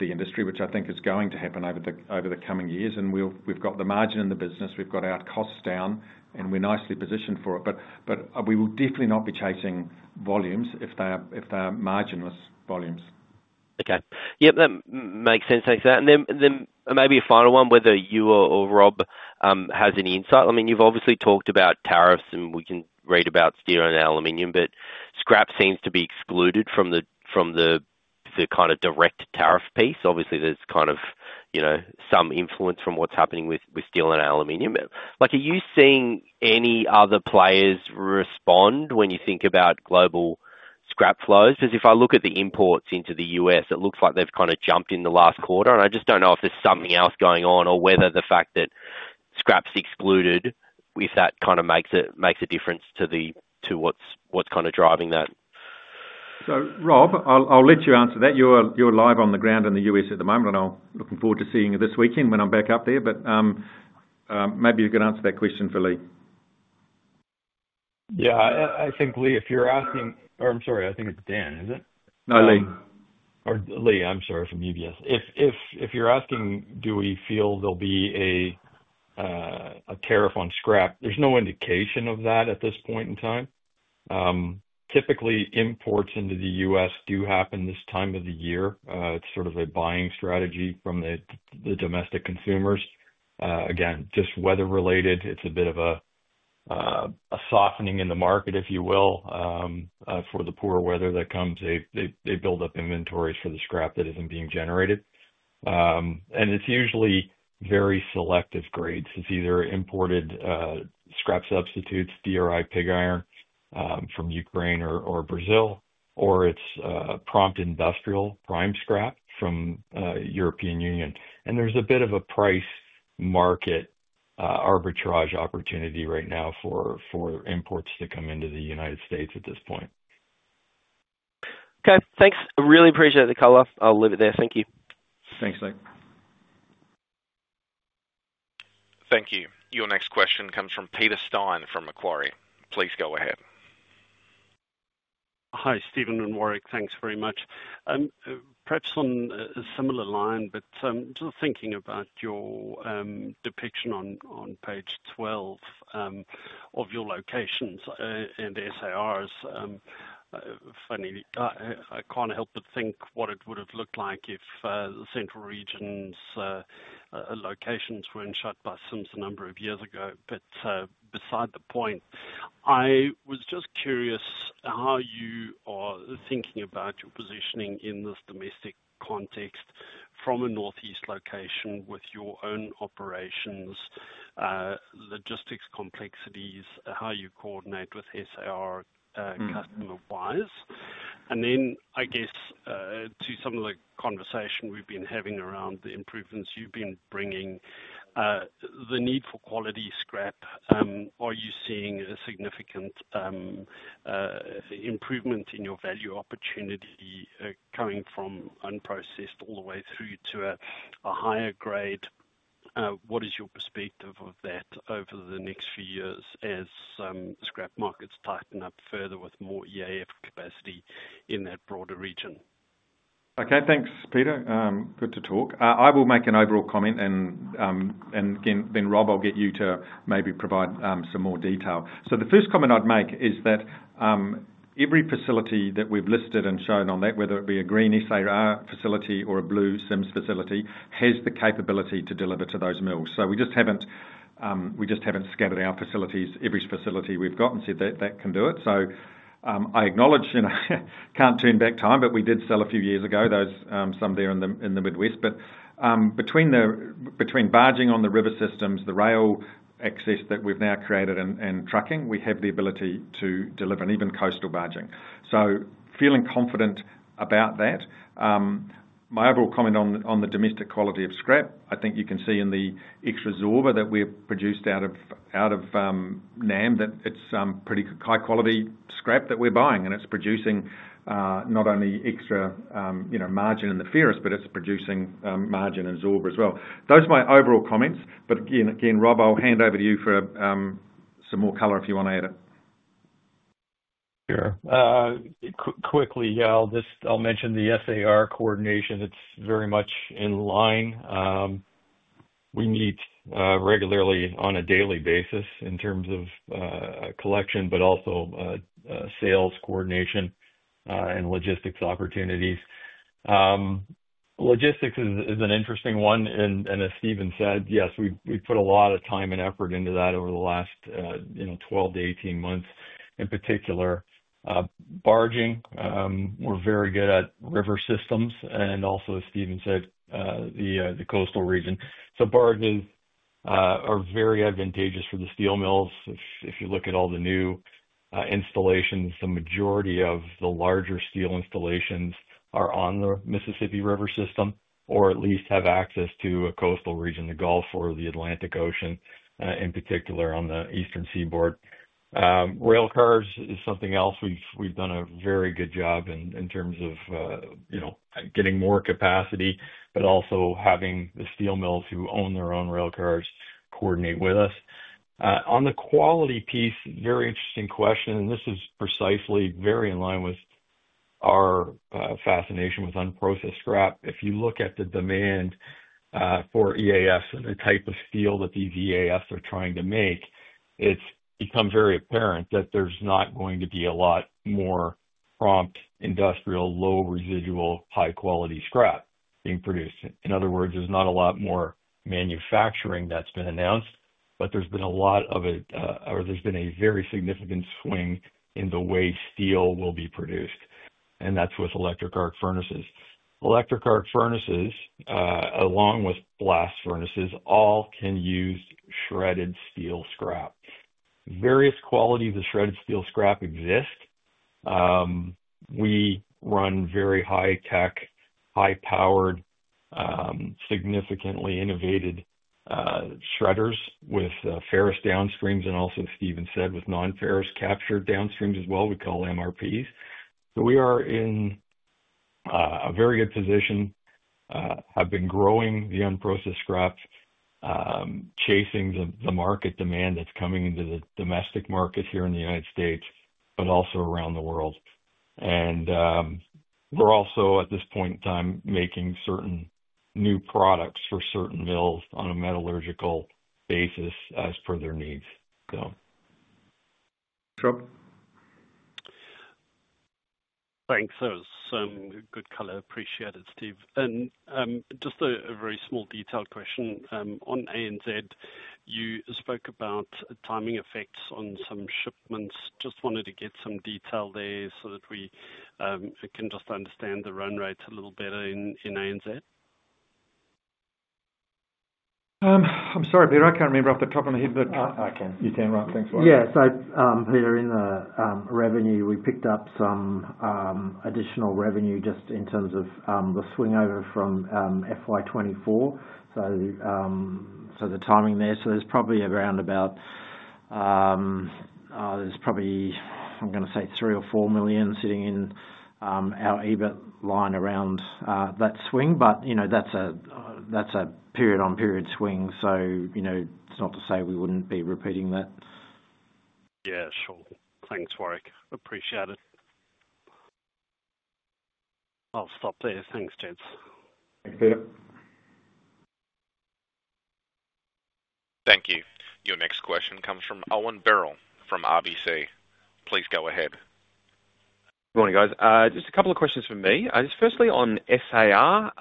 the industry, which I think is going to happen over the coming years. We've got the margin in the business. We've got our costs down, and we're nicely positioned for it. But we will definitely not be chasing volumes if they are marginless volumes. Okay. Yep, that makes sense. Thanks for that. And then maybe a final one, whether you or Rob has any insight. You've obviously talked about tariffs, and we can read about steel and aluminum, but scrap seems to be excluded from the direct tariff piece. Obviously, there's some influence from what's happening with steel and aluminum. Are you seeing any other players respond when you think about global scrap flows? Because if I look at the imports into the U.S., it looks like they've jumped in the last quarter. I just don't know if there's something else going on or whether the fact that scrap's excluded, if that makes a difference to what's driving that. So, Rob, I'll let you answer that. You're live on the ground in the U.S. at the moment, and I'm looking forward to seeing you this weekend when I'm back up there. But maybe you can answer that question for Lee. Yeah. I think, Lee, if you're asking or I'm sorry, I think it's Dan, is it? No, Lee. I'm sorry, from UBS. If you're asking, do we feel there'll be a tariff on scrap, there's no indication of that at this point in time. Typically, imports into the U.S. do happen this time of the year. It's a buying strategy from the domestic consumers. Again, just weather-related, it's a bit of a softening in the market, if you will, for the poor weather that comes. They build up inventories for the scrap that isn't being generated. It's usually very selective grades. It's either imported scrap substitutes, DRI pig iron from Ukraine or Brazil, or it's prompt industrial prime scrap from the European Union. There's a bit of a price market arbitrage opportunity right now for imports to come into the United States at this point. Okay. Thanks. Really appreciate the color. I'll leave it there. Thank you. Thanks, Lee. Thank you. Your next question comes from Peter Stein from Macquarie. Please go ahead. Hi, Stephen and Warrick. Thanks very much. Perhaps on a similar line, but I'm just thinking about your depiction on page 12 of your locations and SARs. Funny, I can't help but think what it would have looked like if the central region's locations were shut businesses a number of years ago. But beside the point, I was just curious how you are thinking about your positioning in this domestic context from a northeast location with your own operations, logistics complexities, how you coordinate with SAR customer-wise. Then, to some of the conversation we've been having around the improvements you've been bringing, the need for quality scrap, are you seeing a significant improvement in your value opportunity coming from unprocessed all the way through to a higher grade? What is your perspective of that over the next few years as scrap markets tighten up further with more EAF capacity in that broader region? Okay. Thanks, Peter. Good to talk. I will make an overall comment, and again, then Rob, I'll get you to maybe provide some more detail. So the first comment I'd make is that every facility that we've listed and shown on that, whether it be a green SAR facility or a blue Sims facility, has the capability to deliver to those mills. We just haven't scattered our facilities, every facility we've got, and said that that can do it. I acknowledge I can't turn back time, but we did sell a few years ago those some there in the Midwest. But between barging on the river systems, the rail access that we've now created, and trucking, we have the ability to deliver and even coastal barging. So, feeling confident about that. My overall comment on the domestic quality of scrap, I think you can see in the extra Zorba that we've produced out of NAM that it's pretty high-quality scrap that we're buying, and it's producing not only extra margin in the ferrous, but it's producing margin and Zorba as well. Those are my overall comments. But again, Rob, I'll hand over to you for some more color if you want to add it. Sure. Quickly, yeah, I'll mention the SAR coordination. It's very much in line. We meet regularly on a daily basis in terms of collection, but also sales coordination and logistics opportunities. Logistics is an interesting one, and as Stephen said, yes, we've put a lot of time and effort into that over the last 12-18 months. In particular, barging, we're very good at river systems, and also, as Stephen said, the coastal region, so barges are very advantageous for the steel mills. If you look at all the new installations, the majority of the larger steel installations are on the Mississippi River system or at least have access to a coastal region, the Gulf or the Atlantic Ocean, in particular on the eastern seaboard. Rail cars is something else we've done a very good job in terms of getting more capacity, but also having the steel mills who own their own rail cars coordinate with us. On the quality piece, very interesting question, and this is precisely very in line with our fascination with unprocessed scrap. If you look at the demand for EAFs and the type of steel that these EAFs are trying to make, it's become very apparent that there's not going to be a lot more prompt industrial, low-residual, high-quality scrap being produced. In other words, there's not a lot more manufacturing that's been announced, but there's been a lot of it, or there's been a very significant swing in the way steel will be produced. That's with electric arc furnaces. Electric arc furnaces, along with blast furnaces, all can use shredded steel scrap. Various qualities of shredded steel scrap exist. We run very high-tech, high-powered, significantly innovated shredders with ferrous downstreams and also, Stephen said, with non-ferrous capture downstreams as well. We call them MRPs. We are in a very good position, have been growing the unprocessed scrap, chasing the market demand that's coming into the domestic market here in the United States, but also around the world. We're also, at this point in time, making certain new products for certain mills on a metallurgical basis as per their needs. Thanks, Rob. Thanks. That was good color. Appreciate it, Steve. And just a very small detailed question. On ANZ, you spoke about timing effects on some shipments. Just wanted to get some detail there so that we can just understand the run rates a little better in ANZ. I'm sorry, Peter. I can't remember off the top of my head, but. I can. You can, Rob. Thanks for asking. Yeah. So here in the revenue, we picked up some additional revenue just in terms of the swingover from FY24. The timing there. There's probably around about three or four million sitting in our EBIT line around that swing. But that's a period-on-period swing. It's not to say we wouldn't be repeating that. Yeah. Sure. Thanks, Warrick. Appreciate it. I'll stop there. Thanks, Gents. Thanks, Peter. Thank you. Your next question comes from Owen Birrell from RBC. Please go ahead. Good morning, guys. Just a couple of questions for me. Firstly, on SAR,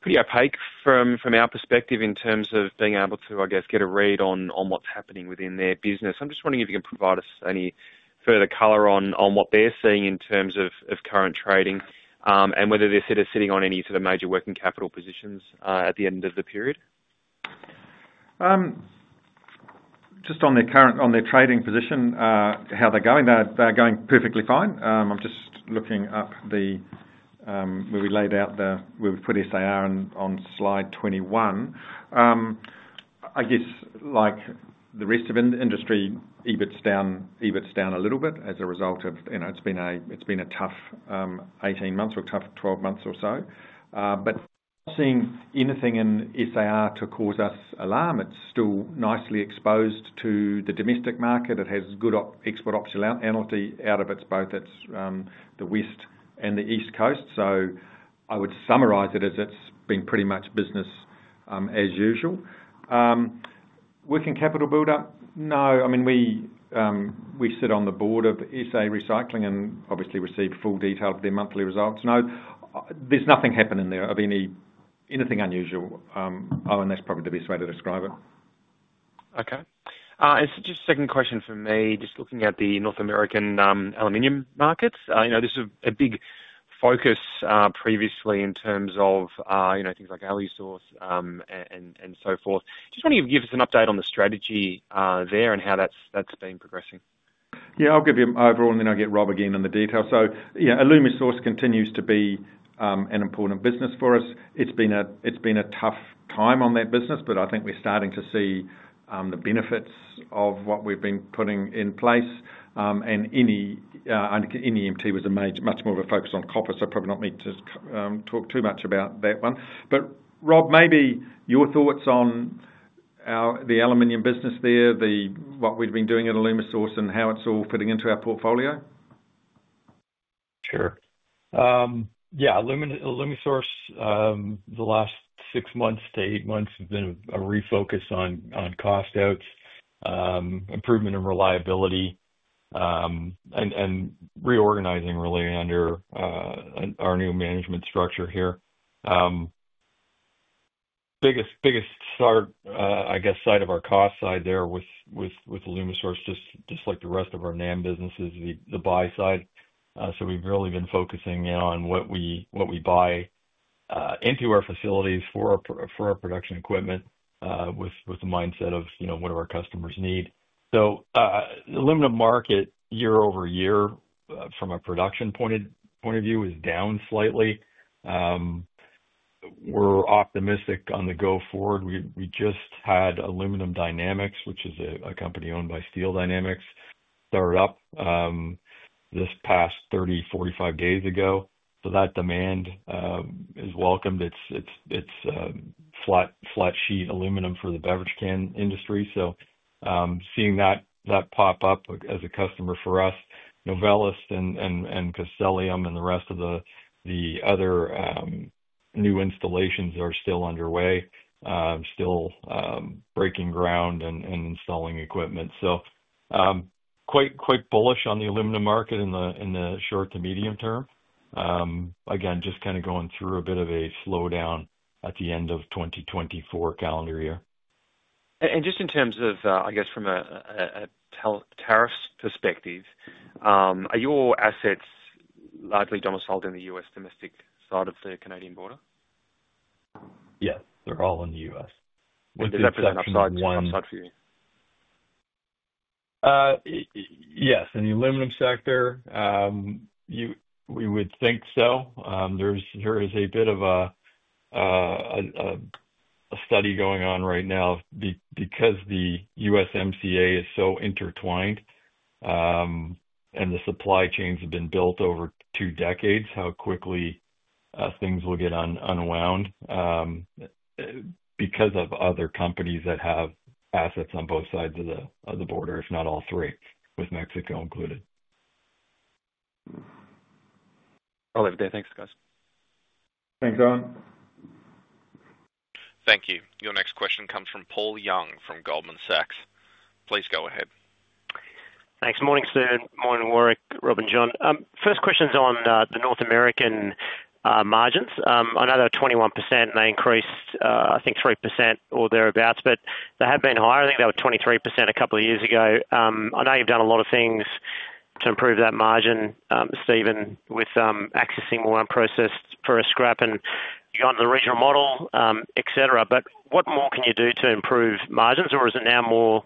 pretty opaque from our perspective in terms of being able to, get a read on what's happening within their business. I'm just wondering if you can provide us any further color on what they're seeing in terms of current trading and whether they're sitting on any major working capital positions at the end of the period. Just on their trading position, how they're going, they're going perfectly fine. I'm just looking up where we laid out where we put SAR on slide 21. Like the rest of the industry, EBIT's down a little bit as a result of it's been a tough 18 months or a tough 12 months or so. But not seeing anything in SAR to cause us alarm. It's still nicely exposed to the domestic market. It has good export optionality out of both its west and the east coast. I would summarize it as it's been pretty much business as usual. Working capital buildup? No we sit on the board of SA Recycling and obviously receive full detail of their monthly results. No. There's nothing happening there of anything unusual. Oh, and that's probably the best way to describe it. Okay. Just a second question for me. Just looking at the North American aluminum markets. This was a big focus previously in terms of things like AluSource and so forth. Just wanted to give us an update on the strategy there and how that's been progressing. Yeah. I'll give you an overall, and then I'll get Rob again on the detail. So AluSource continues to be an important business for us. It's been a tough time on that business, but I think we're starting to see the benefits of what we've been putting in place. And NEMT was much more of a focus on copper, so probably not me to talk too much about that one. But Rob, maybe your thoughts on the aluminum business there, what we've been doing at AluSource, and how it's all fitting into our portfolio. AluSource, the last six months to eight months, has been a refocus on cost outs, improvement in reliability, and reorganizing really under our new management structure here. Biggest start, side of our cost side there with AluSource, just like the rest of our NAM businesses, the buy side. We've really been focusing on what we buy into our facilities for our production equipment with the mindset of what our customers need. Aluminum market year-over-year from a production point of view is down slightly. We're optimistic on the go forward. We just had Aluminum Dynamics, which is a company owned by Steel Dynamics, start up this past 30-45 days ago. That demand is welcomed. It's flat sheet aluminum for the beverage can industry. So seeing that pop up as a customer for us, Novelis and Constellium and the rest of the other new installations are still underway, still breaking ground and installing equipment. Quite bullish on the aluminum market in the short to medium term. Again, just going through a bit of a slowdown at the end of 2024 calendar year. Just in terms of, from a tariffs perspective, are your assets largely domiciled in the US domestic side of the Canadian border? Yes. They're all in the US. What does that present upside for you? Yes. In the aluminum sector, we would think so. There is a bit of a study going on right now because the USMCA is so intertwined and the supply chains have been built over two decades, how quickly things will get unwound because of other companies that have assets on both sides of the border, if not all three, with Mexico included. All right. Thanks, guys. Thanks, John. Thank you. Your next question comes from Paul Young from Goldman Sachs. Please go ahead. Thanks. Morning, Sir. Morning, Warrick, Rob, and John. First question's on the North American margins. I know they're 21%, and they increased, I think, 3% or thereabouts, but they have been higher. I think they were 23% a couple of years ago. I know you've done a lot of things to improve that margin, Stephen, with accessing more unprocessed ferrous scrap, and you've gone to the regional model, etc. What more can you do to improve margins, or is it now more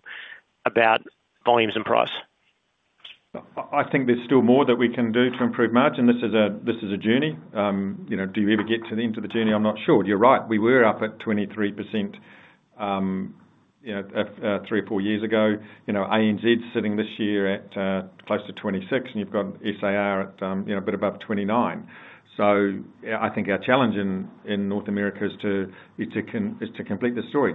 about volumes and price? I think there's still more that we can do to improve margin. This is a journey. Do you ever get to the end of the journey? I'm not sure. You're right. We were up at 23% three or four years ago. ANZ's sitting this year at close to 26%, and you've got SAR at a bit above 29%. I think our challenge in North America is to complete the story.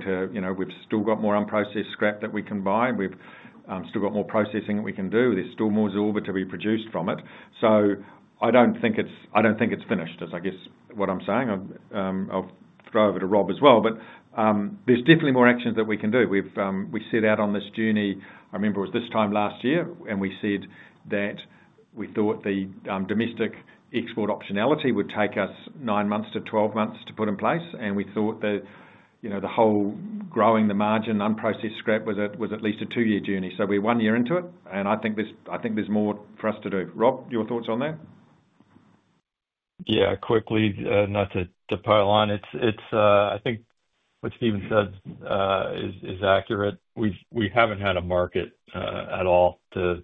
We've still got more unprocessed scrap that we can buy. We've still got more processing that we can do. There's still more zorba to be produced from it. I don't think it's finished, is what I'm saying. I'll throw over to Rob as well. But there's definitely more actions that we can do. We set out on this journey. I remember it was this time last year, and we said that we thought the domestic export optionality would take us nine months to 12 months to put in place. We thought the whole growing the margin unprocessed scrap was at least a two-year journey. We're one year into it, and I think there's more for us to do. Rob, your thoughts on that? Yeah. Quickly, not to pile on, I think what Stephen said is accurate. We haven't had a market at all to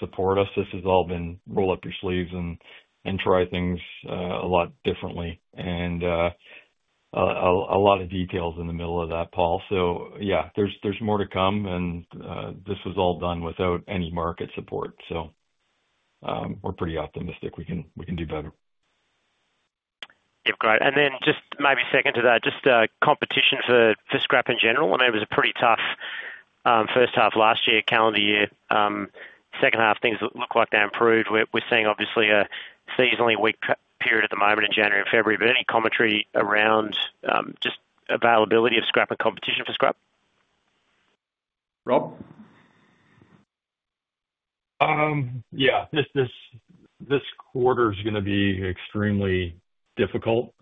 support us. This has all been roll up your sleeves and try things a lot differently and a lot of details in the middle of that, Paul. So yeah, there's more to come, and this was all done without any market support. So we're pretty optimistic we can do better. You've got it. Then just maybe second to that, just competition for scrap in general. It was a pretty tough first half last year, calendar year. Second half, things look like they improved. We're seeing, obviously, a seasonally weak period at the moment in January and February. Any commentary around just availability of scrap and competition for scrap? Rob? This quarter is going to be extremely difficult.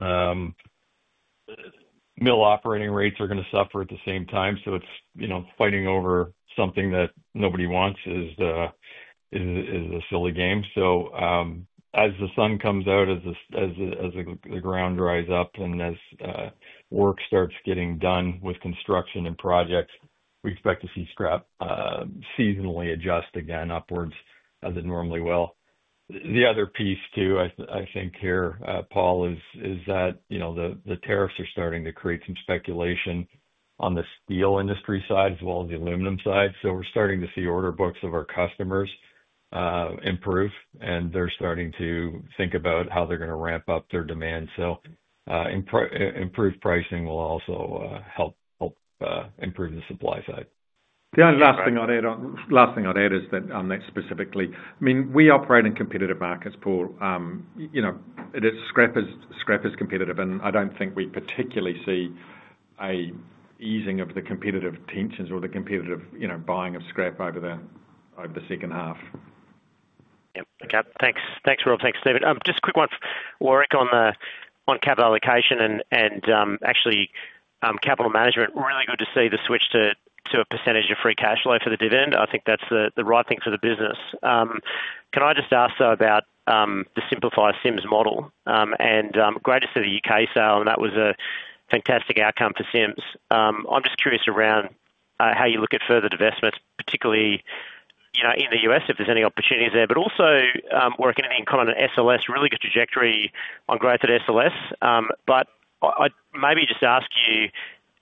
Mill operating rates are going to suffer at the same time. It's fighting over something that nobody wants is a silly game. As the sun comes out, as the ground dries up, and as work starts getting done with construction and projects, we expect to see scrap seasonally adjust again upwards as it normally will. The other piece too, I think here, Paul, is that the tariffs are starting to create some speculation on the steel industry side as well as the aluminum side. We're starting to see order books of our customers improve, and they're starting to think about how they're going to ramp up their demand. Improved pricing will also help improve the supply side. The only last thing I'd add is that specificall we operate in competitive markets, Paul. Scrap is competitive, and I don't think we particularly see an easing of the competitive tensions or the competitive buying of scrap over the second half. Yep. Thanks, Rob. Thanks, Stephen. Just a quick one, Warrick, on capital allocation and actually capital management. Really good to see the switch to a percentage of free cash flow for the dividend. I think that's the right thing for the business. Can I just ask about the Simplify Sims model, and great to see the U.K. sale, and that was a fantastic outcome for Sims. I'm just curious around how you look at further divestments, particularly in the U.S., if there's any opportunities there. But also, Warrick, anything coming on SLS? Really good trajectory on growth at SLS. But I maybe just ask you,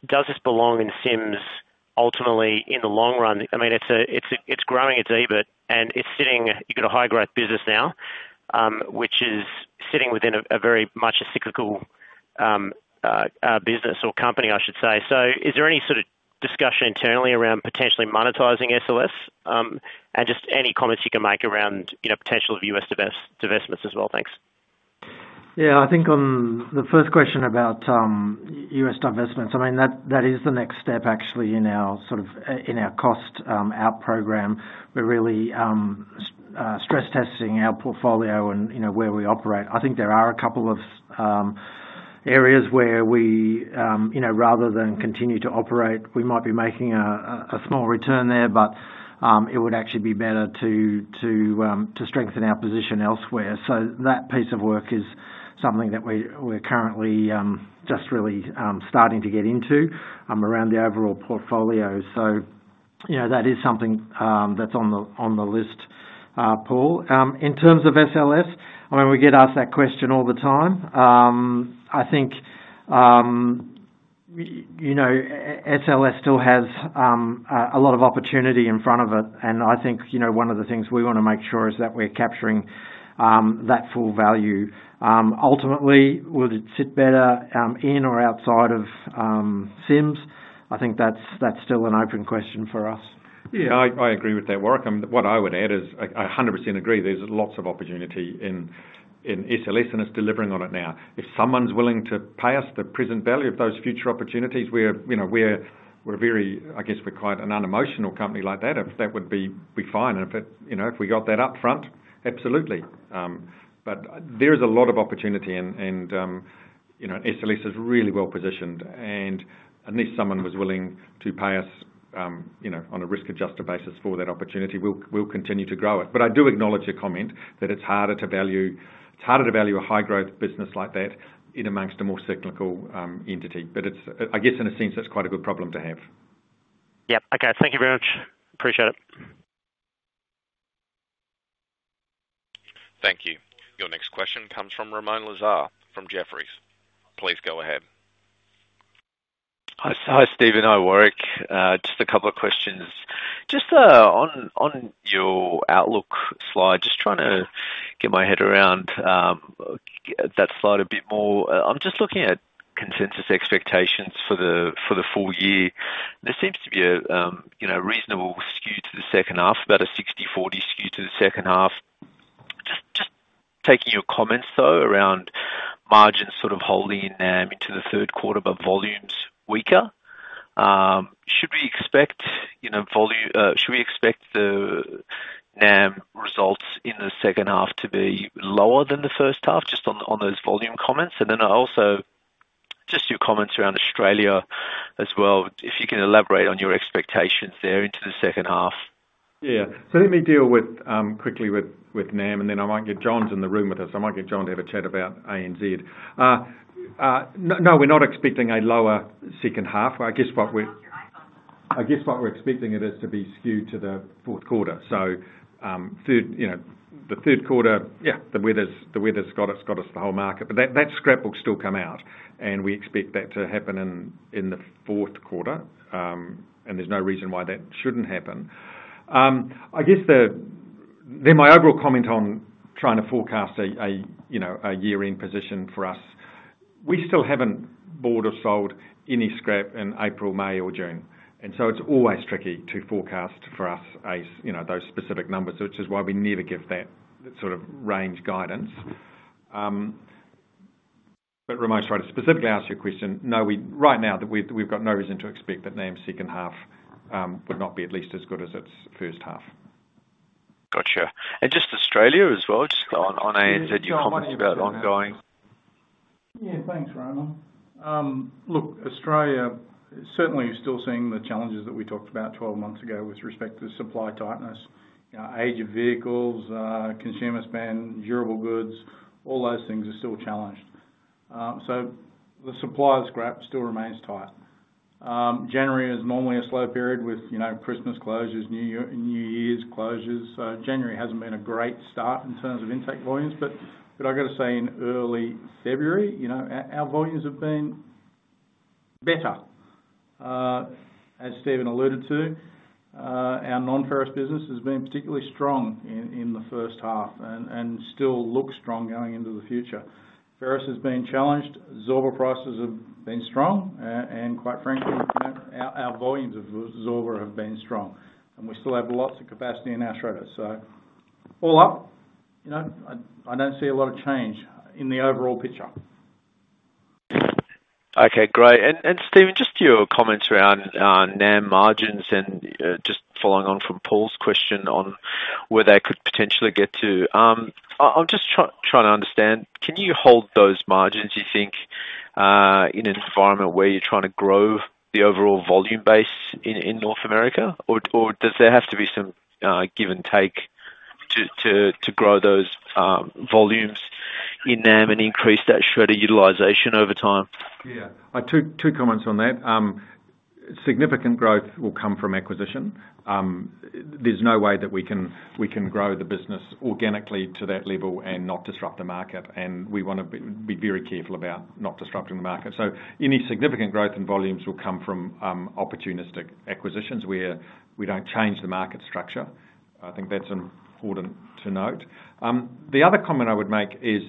does this belong in Sims ultimately in the long run? It's growing its EBIT, and you've got a high-growth business now, which is sitting within a very much a cyclical business or company, I should say, so is there any discussion internally around potentially monetizing SLS, and just any comments you can make around potential of U.S. divestments as well. Thanks. I think on the first question about US divestments, that is the next step actually in our in our cost-out program. We're really stress testing our portfolio and where we operate. I think there are a couple of areas where we, rather than continue to operate, we might be making a small return there, but it would actually be better to strengthen our position elsewhere. That piece of work is something that we're currently just really starting to get into around the overall portfolio. That is something that's on the list, Paul. In terms of SLS, we get asked that question all the time. I think SLS still has a lot of opportunity in front of it. I think one of the things we want to make sure is that we're capturing that full value. Ultimately, will it sit better in or outside of Sims? I think that's still an open question for us. Yeah. I agree with that, Warrick. What I would add is I 100% agree. There's lots of opportunity in SLS, and it's delivering on it now. If someone's willing to pay us the present value of those future opportunities, we're very we're quite an unemotional company like that. If that would be fine, and if we got that upfront, absolutely. But there is a lot of opportunity, and SLS is really well positioned. Unless someone was willing to pay us on a risk-adjusted basis for that opportunity, we'll continue to grow it. But I do acknowledge the comment that it's harder to value a high-growth business like that amongst a more cyclical entity in a sense, it's quite a good problem to have. Yep. Okay. Thank you very much. Appreciate it. Thank you. Your next question comes from Ramoun Lazar from Jefferies. Please go ahead. Hi, Stephen. Hi, Warrick. Just a couple of questions. Just on your Outlook slide, just trying to get my head around that slide a bit more. I'm just looking at consensus expectations for the full year. There seems to be a reasonable skew to the second half, about a 60/40 skew to the second half. Just taking your comments, though, around margins holding in NAM into the third quarter, but volumes weaker. Should we expect the NAM results in the second half to be lower than the first half, just on those volume comments? Then also just your comments around Australia as well, if you can elaborate on your expectations there into the second half. Let me deal quickly with NAM, and then I might get John in the room with us. I might get John to have a chat about ANZ. No, we're not expecting a lower second half. What we're expecting is to be skewed to the fourth quarter. So the third quarter, yeah, the weather's got us. Got the whole market. But that scrap boom still to come out, and we expect that to happen in the fourth quarter, and there's no reason why that shouldn't happen. Then my overall comment on trying to forecast a year-end position for us, we still haven't bought or sold any scrap in April, May, or June. It's always tricky to forecast for us those specific numbers, which is why we never give that srange guidance. But Ramoun's right. Specifically asked your question, no, right now that we've got no reason to expect that NAM second half would not be at least as good as its first half. Gotcha. And just Australia as well, just on ANZ, your comments about ongoing. Yeah. Thanks, Ramoun. Look, Australia, certainly you're still seeing the challenges that we talked about 12 months ago with respect to supply tightness. Age of vehicles, consumer spend, durable goods, all those things are still challenged. So the supply of scrap still remains tight. January is normally a slow period with Christmas closures, New Year's closures. So January hasn't been a great start in terms of intake volumes. But I've got to say in early February, our volumes have been better. As Stephen alluded to, our non-ferrous business has been particularly strong in the first half and still looks strong going into the future. Ferrous has been challenged. Zorba prices have been strong. And quite frankly, our volumes of zorba have been strong. And we still have lots of capacity in our shredders. So all up, I don't see a lot of change in the overall picture. Okay. Great. Stephen, just your comments around NAM margins and just following on from Paul's question on where they could potentially get to. I'm just trying to understand, can you hold those margins, you think, in an environment where you're trying to grow the overall volume base in North America? Or does there have to be some give and take to grow those volumes in NAM and increase that shredder utilization over time? Two comments on that. Significant growth will come from acquisition. There's no way that we can grow the business organically to that level and not disrupt the market, and we want to be very careful about not disrupting the market, so any significant growth in volumes will come from opportunistic acquisitions where we don't change the market structure. I think that's important to note. The other comment I would make is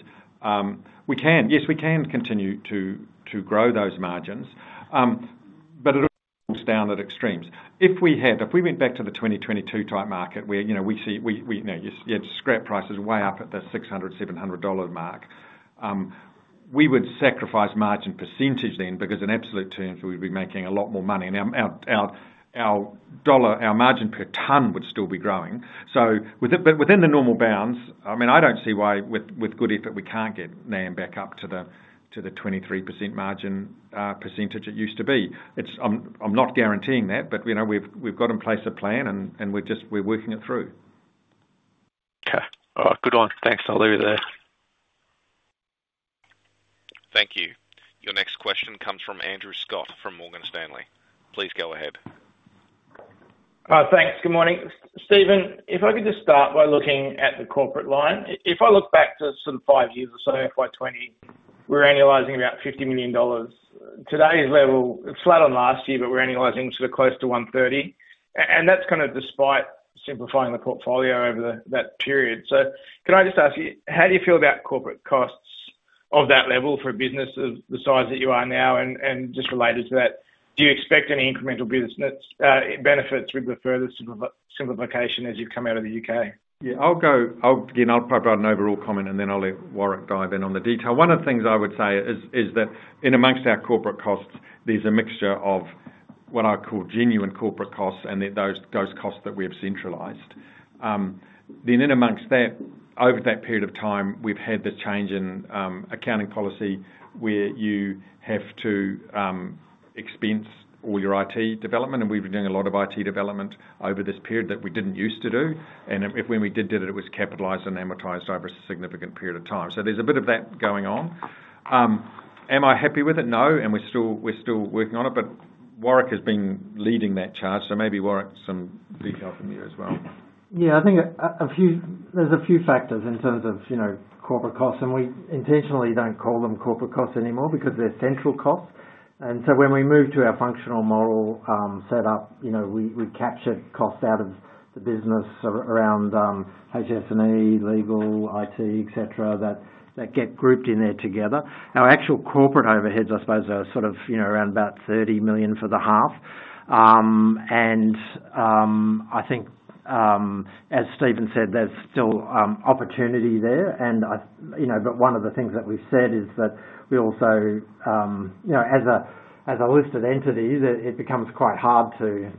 we can, yes, we can continue to grow those margins, but it all boils down at extremes. If we went back to the 2022-type market where we see scrap prices way up at the $600-$700 mark, we would sacrifice margin percentage then because in absolute terms, we'd be making a lot more money. Now, our margin per ton would still be growing. Within the normal bounds,, I don't see why with good effort we can't get NAM back up to the 23% margin percentage it used to be. I'm not guaranteeing that, but we've got in place a plan, and we're working it through. Okay. All right. Good one. Thanks. I'll leave it there. Thank you. Your next question comes from Andrew Scott from Morgan Stanley. Please go ahead. Thanks. Good morning. Stephen, if I could just start by looking at the corporate line, if I look back to five years or so, FY20, we were annualizing about 50 million dollars. Today's level, it's flat on last year, but we're annualizing close to 130. That's despite simplifying the portfolio over that period. Can I just ask you, how do you feel about corporate costs of that level for a business of the size that you are now? Just related to that, do you expect any incremental business benefits with the further simplification as you've come out of the UK? I'll pop out an overall comment, and then I'll let Warrick dive in on the detail. One of the things I would say is that in amongst our corporate costs, there's a mixture of what I call genuine corporate costs and those costs that we have centralized. Then in amongst that, over that period of time, we've had this change in accounting policy where you have to expense all your IT development. And we've been doing a lot of IT development over this period that we didn't used to do. When we did do it, it was capitalized and amortized over a significant period of time. There's a bit of that going on. Am I happy with it? No. We're still working on it. Warrick has been leading that charge. Maybe Warrick, some detail from you as well. Yeah. I think there's a few factors in terms of corporate costs. We intentionally don't call them corporate costs anymore because they're central costs. When we move to our functional model setup, we capture costs out of the business around HS&E, legal, IT, etc., that get grouped in there together. Our actual corporate overheads, I suppose, are around about 30 million for the half. I think, as Stephen said, there's still opportunity there. But one of the things that we've said is that we also, as a listed entity, it becomes quite hard to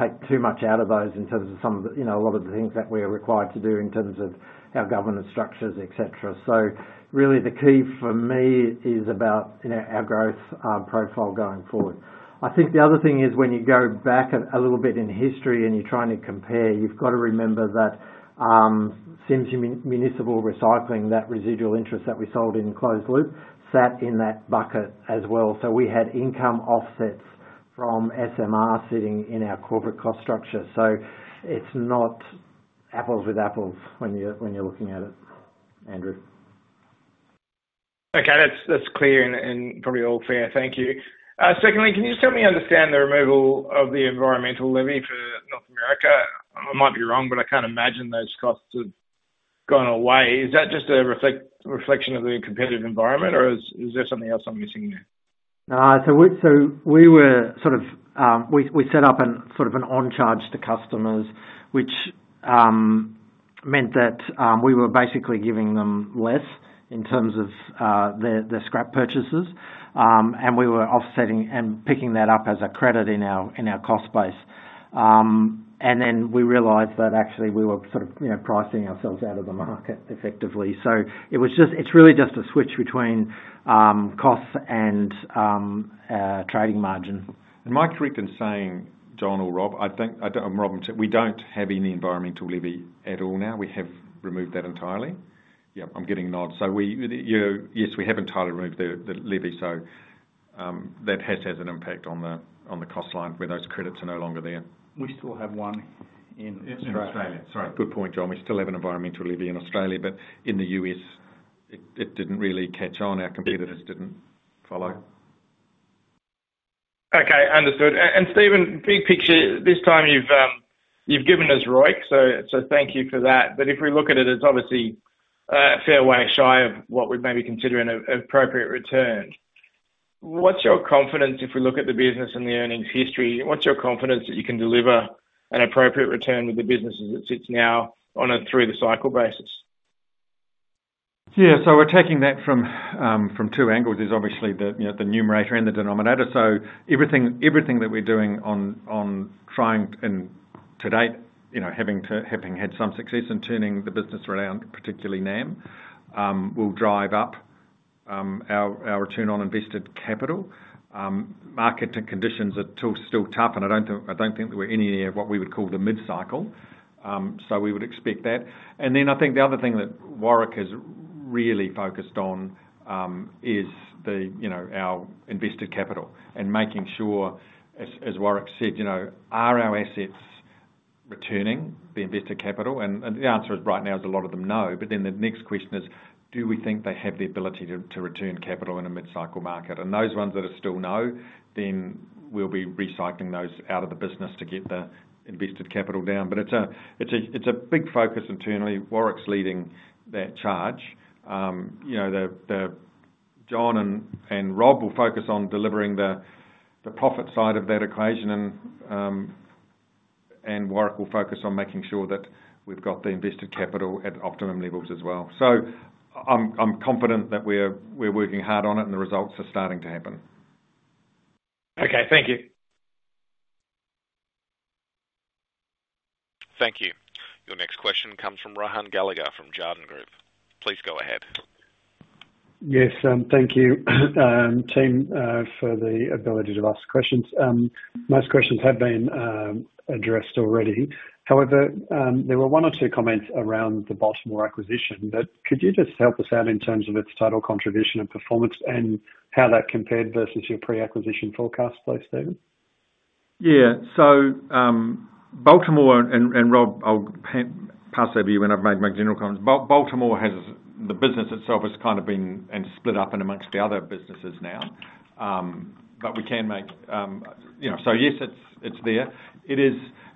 take too much out of those in terms of some of the a lot of the things that we are required to do in terms of our governance structures, etc. So really, the key for me is about our growth profile going forward. I think the other thing is when you go back a little bit in history and you're trying to compare, you've got to remember that Sims Municipal Recycling, that residual interest that we sold in Closed Loop, sat in that bucket as well. So we had income offsets from SMR sitting in our corporate cost structure. So it's not apples with apples when you're looking at it. That's clear and probably all fair. Thank you. Secondly, can you just help me understand the removal of the environmental levy for North America? I might be wrong, but I can't imagine those costs have gone away. Is that just a reflection of the competitive environment, or is there something else I'm missing there. We set up an on-charge to customers, which meant that we were basically giving them less in terms of their scrap purchases. And we were offsetting and picking that up as a credit in our cost base. Then we realized that actually we were pricing ourselves out of the market effectively. it's really just a switch between costs and trading margin. Am I right in saying, John or Rob, I think Rob is in too. We don't have any environmental levy at all now. We have removed that entirely. Yeah. I'm getting nods. Yes, we have entirely removed the levy. That has had an impact on the cost line where those credits are no longer there. Good point, John. We still have an environmental levy in Australia. But in the U.S., it didn't really catch on. Our competitors didn't follow. Okay. Understood. Stephen, big picture, this time you've given us ROIC, so thank you for that. But if we look at it, it's obviously a fair way shy of what we'd maybe consider an appropriate return. What's your confidence if we look at the business and the earnings history? What's your confidence that you can deliver an appropriate return with the business as it sits now on a through-the-cycle basis? We're taking that from two angles. There's obviously the numerator and the denominator. Everything that we're doing on trying to date, having had some success in turning the business around, particularly NAM, will drive up our return on invested capital. Market conditions are still tough, and I don't think that we're anywhere near what we would call the mid-cycle. We would expect that. Then I think the other thing that Warrick has really focused on is our invested capital and making sure, as Warrick said, are our assets returning, the invested capital? The answer is right now is a lot of them no. But then the next question is, do we think they have the ability to return capital in a mid-cycle market? And those ones that are still no, then we'll be recycling those out of the business to get the invested capital down. But it's a big focus internally. Warrick's leading that charge. John and Rob will focus on delivering the profit side of that equation, and Warrick will focus on making sure that we've got the invested capital at optimum levels as well. I'm confident that we're working hard on it, and the results are starting to happen. Thank you. Thank you. Your next question comes from Rohan Gallagher from Jarden Group. Please go ahead. Yes. Thank you, Tim, for the ability to ask questions. Most questions have been addressed already. However, there were one or two comments around the Baltimore acquisition. But could you just help us out in terms of its total contribution and performance and how that compared versus your pre-acquisition forecast, though, Stephen? Yeah. Baltimore and Rob, I'll pass over you when I've made my general comments. Baltimore has the business itself k been split up amongst the other businesses now. We can make so yes, it's there.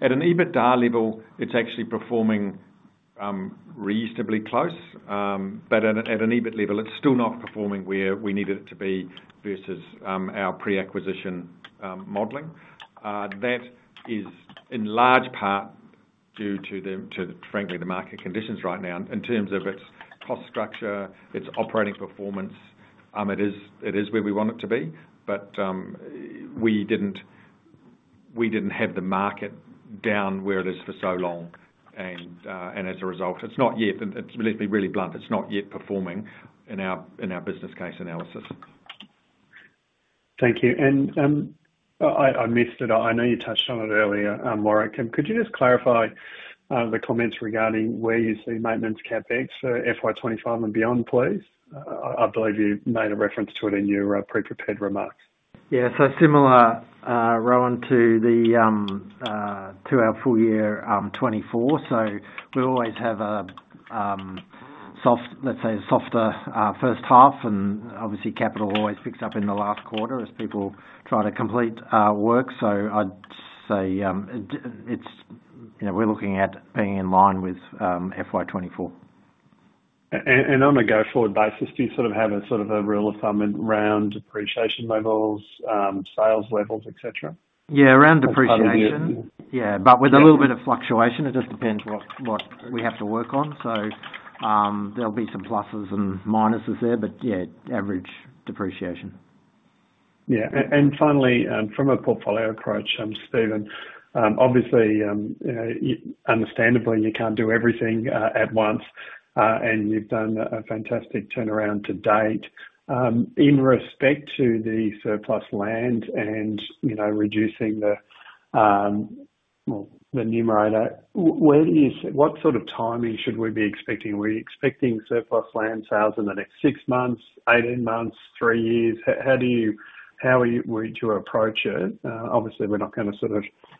At an EBITDA level, it's actually performing reasonably close. But at an EBIT level, it's still not performing where we needed it to be versus our pre-acquisition modeling. That is in large part due to, frankly, the market conditions right now in terms of its cost structure, its operating performance. It is where we want it to be. But we didn't have the market down where it is for so long. As a result, it's not yet. Let me be really blunt. It's not yet performing in our business case analysis. Thank you. And I missed it. I know you touched on it earlier, Warrick. Could you just clarify the comments regarding where you see maintenance CapEx for FY25 and beyond, please? I believe you made a reference to it in your pre-prepared remarks. Similar Rohan to our full year 2024. So we always have, let's say, a softer first half. Obviously, capital always picks up in the last quarter as people try to complete work. I'd say we're looking at being in line with FY24. On a go forward basis, do you have a real-time run-rate depreciation levels, sales levels, etc.? Yeah. Run depreciation. Yeah. But with a little bit of fluctuation. It just depends what we have to work on. There'll be some pluses and minuses there. But yeah, average depreciation. Finally, from a portfolio approach, Stephen, obviously, understandably, you can't do everything at once. And you've done a fantastic turnaround to date. In respect to the surplus land and reducing the numerator, what timing should we be expecting? Are we expecting surplus land sales in the next six months, eight months, three years? How do you want to approach it? Obviously, we're not going to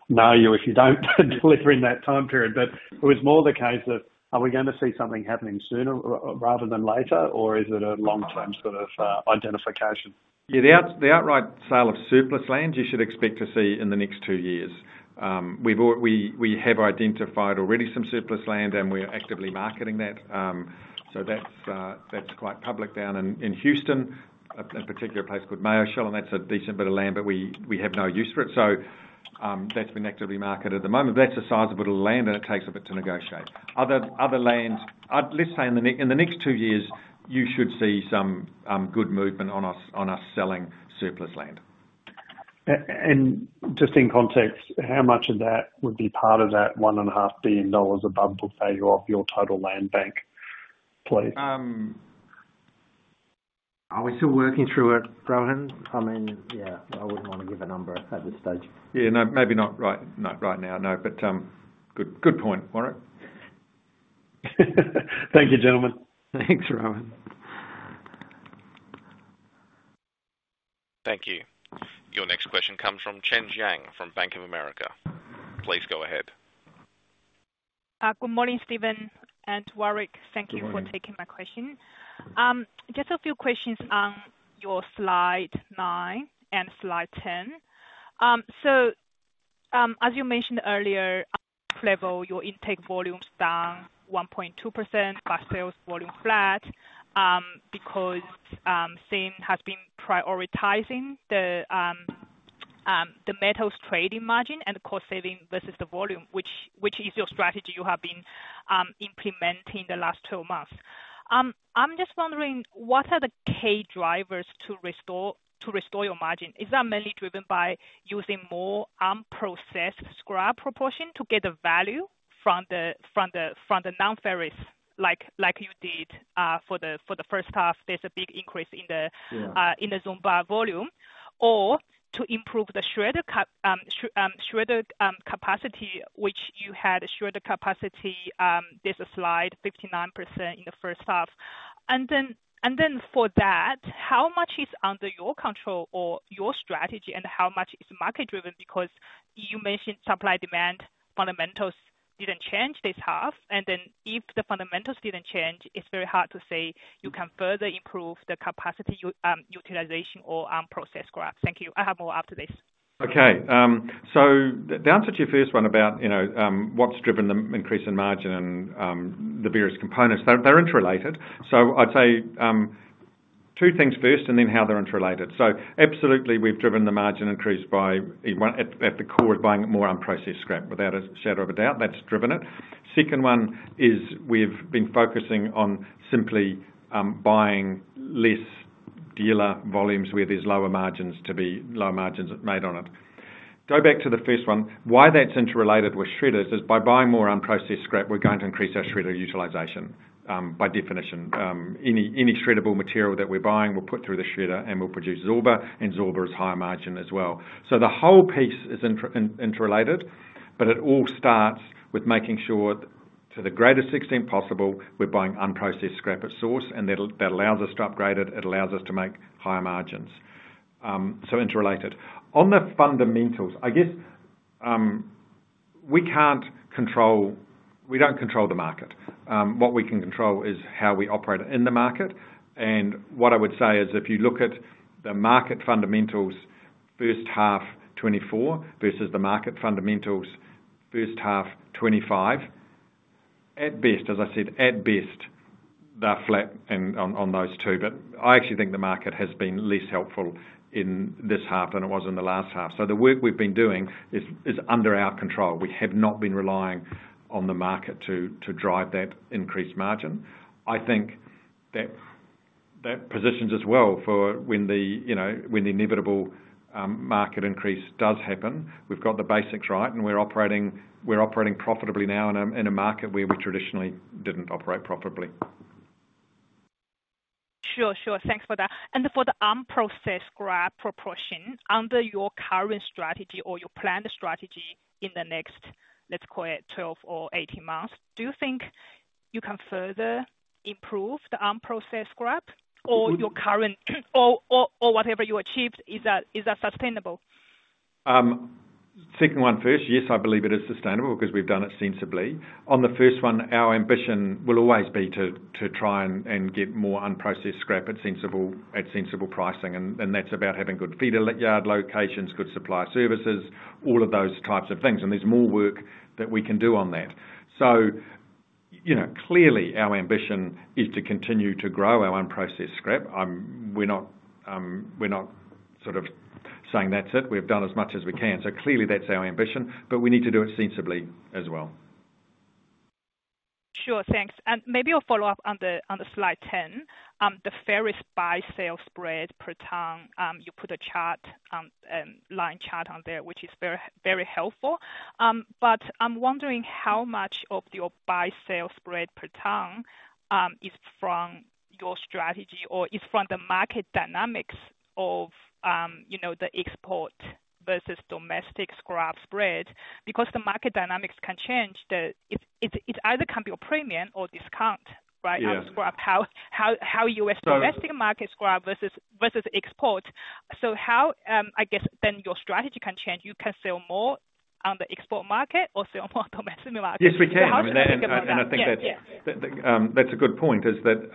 if you don't deliver in that time period. But it was more the case of, are we going to see something happening sooner rather than later? Or is it a long-term identification? Yeah. The outright sale of surplus land, you should expect to see in the next two years. We have identified already some surplus land, and we're actively marketing that. So that's quite public down in Houston, a particular place called Mayo Shell. And that's a decent bit of land, but we have no use for it. That's been actively marketed at the moment. That's a sizable bit of land, and it takes a bit to negotiate. Other land, let's say in the next two years, you should see some good movement on us selling surplus land. Just in context, how much of that would be part of that 1.5 billion dollars above book value of your total land bank, please? Are we still working through it, Rohan? I wouldn't want to give a number at this stage. Yeah. No. Maybe not right now. No. But good point, Warrick. Thank you, gentlemen. Thanks, Rohan. Thank you. Your next question comes from Chen Jiang from Bank of America. Please go ahead. Good morning, Stephen and Warrick. Thank you for taking my question. Just a few questions on your slide 9 and slide 10. As you mentioned earlier, level, your intake volume's down 1.2%, but sales volume flat because Sims has been prioritizing the metals trading margin and the cost saving versus the volume, which is your strategy you have been implementing the last 12 months. I'm just wondering, what are the key drivers to restore your margin? Is that mainly driven by using more unprocessed scrap proportion to get the value from the non-ferrous like you did for the first half? There's a big increase in the Zorba volume. Or to improve the shredder capacity, which you had shredder capacity, there's a slide 59% in the first half. Then for that, how much is under your control or your strategy, and how much is market-driven? Because you mentioned supply-demand fundamentals didn't change this half. Then if the fundamentals didn't change, it's very hard to say you can further improve the capacity utilization or unprocessed scrap. Thank you. I have more after this. The answer to your first one about what's driven the increase in margin and the various components, they're interrelated. So I'd say two things first and then how they're interrelated. Absolutely, we've driven the margin increase at the core of buying more unprocessed scrap without a shadow of a doubt. That's driven it. Second one is we've been focusing on simply buying less dealer volumes where there's lower margins to be lower margins made on it. Go back to the first one. Why that's interrelated with shredders is by buying more unprocessed scrap, we're going to increase our shredder utilization by definition. Any shreddable material that we're buying will put through the shredder, and we'll produce Zorba, and Zorba is higher margin as well. The whole piece is interrelated, but it all starts with making sure to the greatest extent possible, we're buying unprocessed scrap at source, and that allows us to upgrade it. It allows us to make higher margins. Interrelated. On the fundamentals, we don't control the market. What we can control is how we operate in the market. What I would say is if you look at the market fundamentals first half 2024 versus the market fundamentals first half 2025, at best, as I said, at best, they're flat on those two. I actually think the market has been less helpful in this half than it was in the last half. The work we've been doing is under our control. We have not been relying on the market to drive that increased margin. I think that positions us well for when the inevitable market increase does happen. We've got the basics right, and we're operating profitably now in a market where we traditionally didn't operate profitably. Sure. Sure. Thanks for that. And for the unprocessed scrap proportion, under your current strategy or your planned strategy in the next, let's call it 12 or 18 months, do you think you can further improve the unprocessed scrap? Or your current or whatever you achieved, is that sustainable? Second one first. Yes, I believe it is sustainable because we've done it sensibly. On the first one, our ambition will always be to try and get more unprocessed scrap at sensible pricing. That's about having good feeder yard locations, good supply services, all of those types of things. There's more work that we can do on that. So clearly, our ambition is to continue to grow our unprocessed scrap. We're not saying that's it. We've done as much as we can. So clearly, that's our ambition. But we need to do it sensibly as well. Thanks. Maybe I'll follow up on Slide 10, the ferrous buy/sell spread per ton. You put a line chart on there, which is very helpful. But I'm wondering how much of your buy/sell spread per ton is from your strategy or is from the market dynamics of the export versus domestic scrap spread? Because the market dynamics can change. It either can be a premium or discount, right, on scrap? How U.S. domestic market scrap versus export? Then your strategy can change? You can sell more on the export market or sell more on the domestic market? Yes, we can, and I think that's a good point is that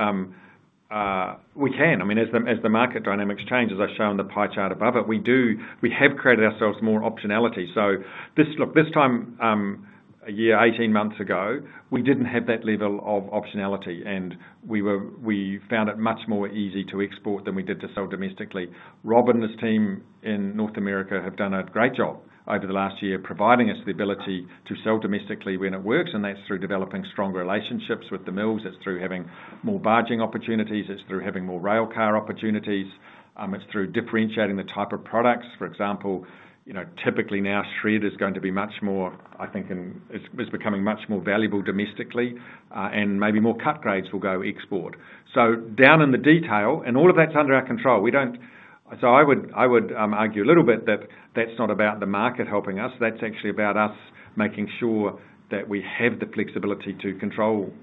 we can. As the market dynamics change, as I show on the pie chart above it, we have created ourselves more optionality, so look, this time, a year, 18 months ago, we didn't have that level of optionality, and we found it much more easy to export than we did to sell domestically. Rob and his team in North America have done a great job over the last year providing us the ability to sell domestically when it works, and that's through developing stronger relationships with the mills. It's through having more barging opportunities. It's through having more railcar opportunities. It's through differentiating the type of products. For example, typically now shred is going to be much more, I think, is becoming much more valuable domestically. And maybe more cut grades will go export. Down in the detail, and all of that's under our control. I would argue a little bit that that's not about the market helping us. That's actually about us making sure that we have the flexibility to control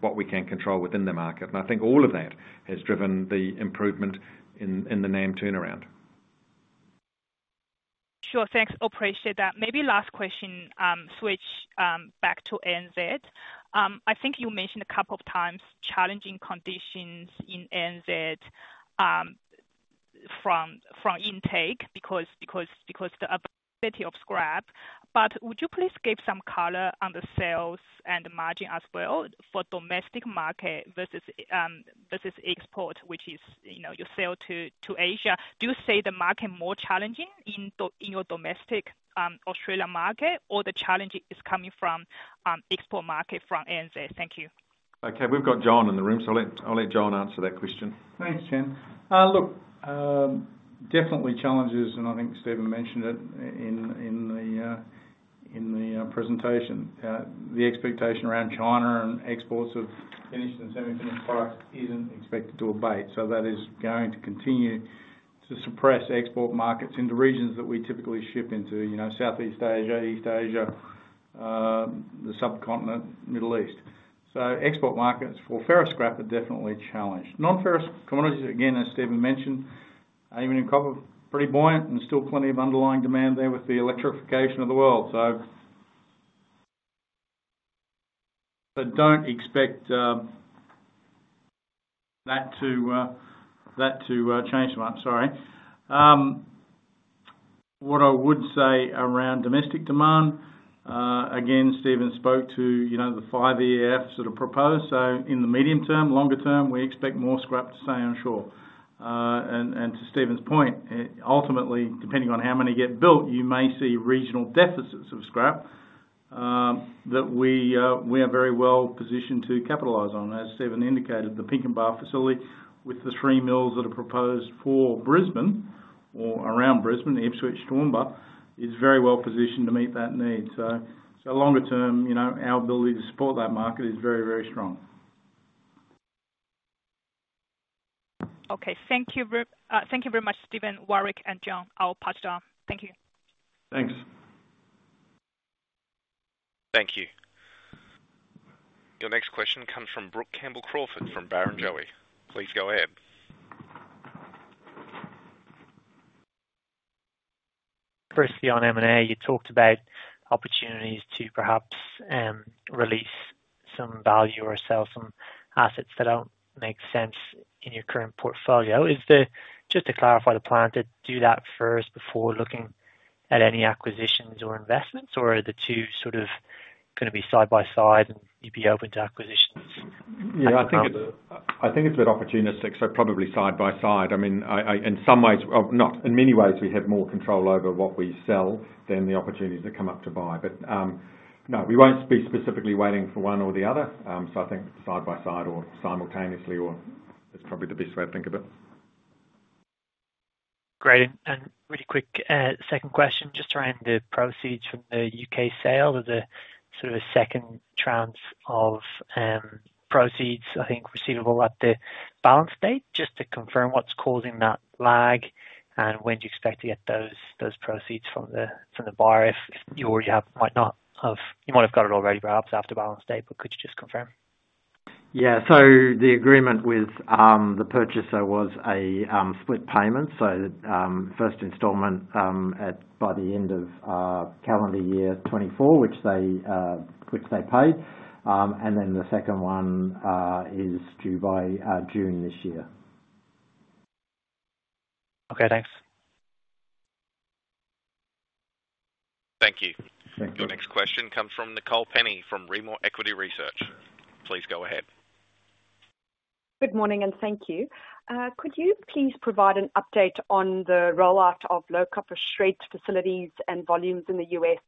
what we can control within the market. I think all of that has driven the improvement in the NAM turnaround. Thanks. Appreciate that. Maybe last question, switch back to NZ. I think you mentioned a couple of times challenging conditions in NZ from intake because the ability of scrap. But would you please give some color on the sales and margin as well for domestic market versus export, which is your sale to Asia? Do you see the market more challenging in your domestic Australia market, or the challenge is coming from export market from NZ? Thank you. Okay. We've got John in the room. So I'll let John answer that question. Thanks, Chen. Look, definitely challenges, and I think Stephen mentioned it in the presentation. The expectation around China and exports of finished and semi-finished products isn't expected to abate, so that is going to continue to suppress export markets into regions that we typically ship into: Southeast Asia, East Asia, the subcontinent, Middle East. So export markets for ferrous scrap are definitely challenged. Non-ferrous commodities, again, as Stephen mentioned, are even in copper pretty buoyant and still plenty of underlying demand there with the electrification of the world. So don't expect that to change much. Sorry. What I would say around domestic demand, again, Stephen spoke to the five EAFs that are proposed. In the medium term, longer term, we expect more scrap to stay on shore. To Stephen's point, ultimately, depending on how many get built, you may see regional deficits of scrap that we are very well positioned to capitalize on. As Stephen indicated, the Pinkenba facility with the three mills that are proposed for Brisbane or around Brisbane, the Ipswich, Stormbaugh, is very well positioned to meet that need. So longer term, our ability to support that market is very, very strong. Okay. Thank you very much, Stephen, Warrick, and John. I'll pass it on. Thank you. Thanks. Thank you. Your next question comes from Brooke Campbell-Crawford from Barrenjoey. Please go ahead. Firstly, on M&A, you talked about opportunities to perhaps release some value or sell some assets that don't make sense in your current portfolio. Is the just to clarify the plan to do that first before looking at any acquisitions or investments? Or are the two going to be side by side, and you'd be open to acquisitions? Yeah. I think it's a bit opportunistic, so probably side by side. In some ways, well, not. In many ways, we have more control over what we sell than the opportunities that come up to buy.No, we won't be specifically waiting for one or the other. I think side by side or simultaneously or is probably the best way to think of it. Great. Really quick second question, just around the proceeds from the UK sale, the second tranche of proceeds, I think, receivable at the balance date, just to confirm what's causing that lag and when do you expect to get those proceeds from the buyer if you already have, might not have, you might have got it already, perhaps, after balance date, but could you just confirm? The agreement with the purchaser was a split payment. First installment by the end of calendar year 2024, which they paid. Then the second one is due by June this year. Okay. Thanks. Thank you. Your next question comes from Nicole Penny from Rimor Equity Research. Please go ahead. Good morning and thank you. Could you please provide an update on the rollout of low-copper shred facilities and volumes in the US?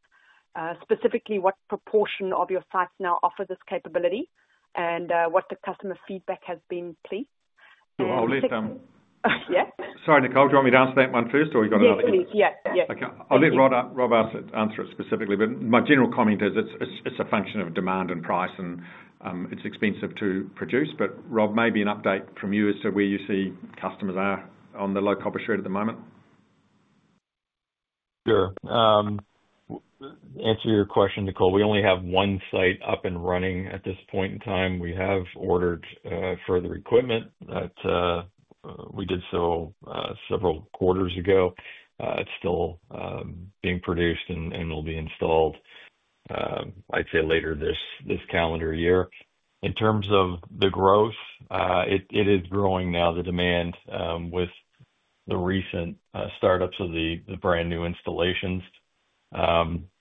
Specifically, what proportion of your sites now offer this capability? And what the customer feedback has been, please? So I'll let. Sorry, Nicole, do you want me to answer that one first, or you've got another question? Yes, please. I'll let Rob answer it specifically. But my general comment is it's a function of demand and price, and it's expensive to produce. But Rob, maybe an update from you as to where you see customers are on the low-copper shred at the moment? Sure. To answer your question, Nicole, we only have one site up and running at this point in time. We have ordered further equipment that we did sell several quarters ago. It's still being produced and will be installed, I'd say, later this calendar year. In terms of the growth, it is growing now, the demand, with the recent startups of the brand new installations.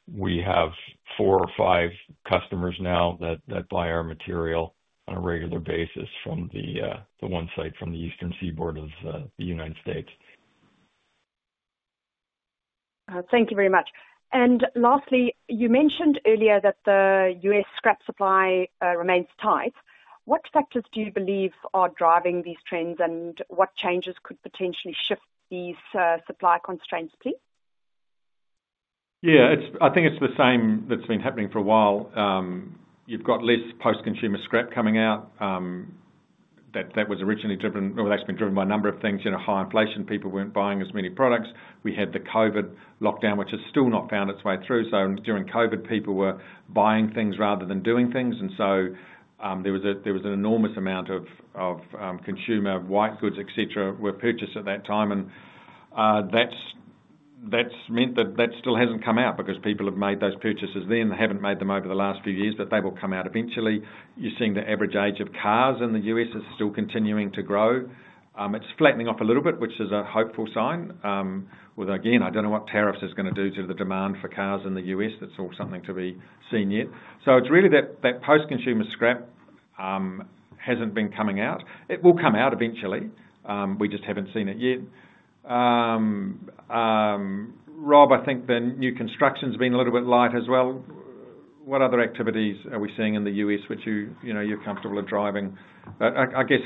We have four or five customers now that buy our material on a regular basis from the one site from the Eastern Seaboard of the United States. Thank you very much. Lastly, you mentioned earlier that the U.S. scrap supply remains tight. What factors do you believe are driving these trends, and what changes could potentially shift these supply constraints, please? I think it's the same that's been happening for a while. You've got less post-consumer scrap coming out. That was originally driven, well, that's been driven by a number of things. High inflation, people weren't buying as many products. We had the COVID lockdown, which has still not found its way through. So during COVID, people were buying things rather than doing things. There was an enormous amount of consumer white goods, etc., were purchased at that time. That's meant that that still hasn't come out because people have made those purchases then. They haven't made them over the last few years, but they will come out eventually. You're seeing the average age of cars in the U.S. is still continuing to grow. It's flattening off a little bit, which is a hopeful sign. Again, I don't know what tariffs are going to do to the demand for cars in the U.S. That's all something to be seen yet. It's really that post-consumer scrap hasn't been coming out. It will come out eventually. We just haven't seen it yet. Rob, I think the new construction's been a little bit light as well. What other activities are we seeing in the U.S. which you're comfortable with driving?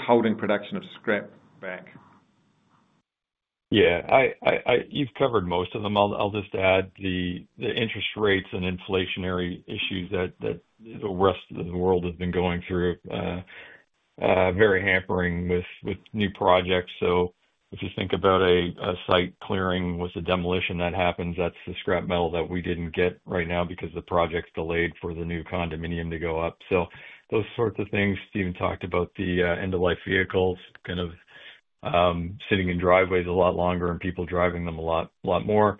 Holding production of scrap back. You've covered most of them. I'll just add the interest rates and inflationary issues that the rest of the world has been going through, very hampering with new projects so if you think about a site clearing with a demolition that happens, that's the scrap metal that we didn't get right now because the project's delayed for the new condominium to go up so those sorts of things. Stephen talked about the end-of-life vehicles sitting in driveways a lot longer and people driving them a lot more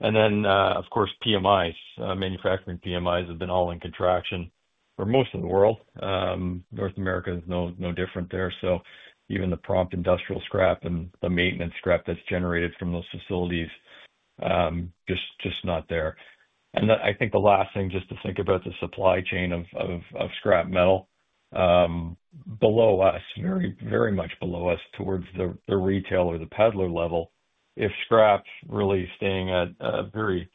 and then, of course, PMIs, manufacturing PMIs have been all in contraction for most of the world. North America is no different there so even the prompt industrial scrap and the maintenance scrap that's generated from those facilities is just not there. I think the last thing, just to think about the supply chain of scrap metal below us, very much below us towards the retail or the peddler level, if scrap's really staying at a very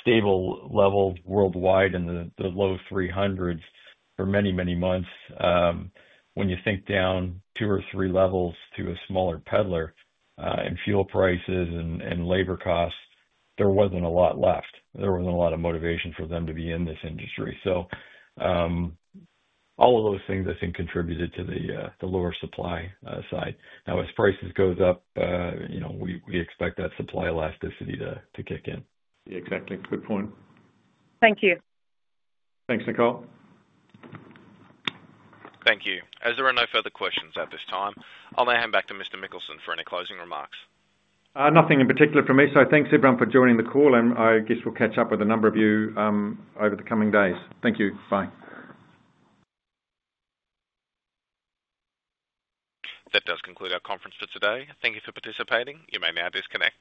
stable level worldwide in the low 300s for many, many months, when you think down two or three levels to a smaller peddler and fuel prices and labor costs, there wasn't a lot left. There wasn't a lot of motivation for them to be in this industry. All of those things, I think, contributed to the lower supply side. Now, as prices go up, we expect that supply elasticity to kick in. Yeah. Exactly. Good point. Thank you. Thanks, Nicole. Thank you. As there are no further questions at this time, I'll now hand back to Mr. Mikkelsen for any closing remarks. Nothing in particular for me. Thanks, everyone, for joining the call. We'll catch up with a number of you over the coming days. Thank you. Bye. That does conclude our conference for today. Thank you for participating. You may now disconnect.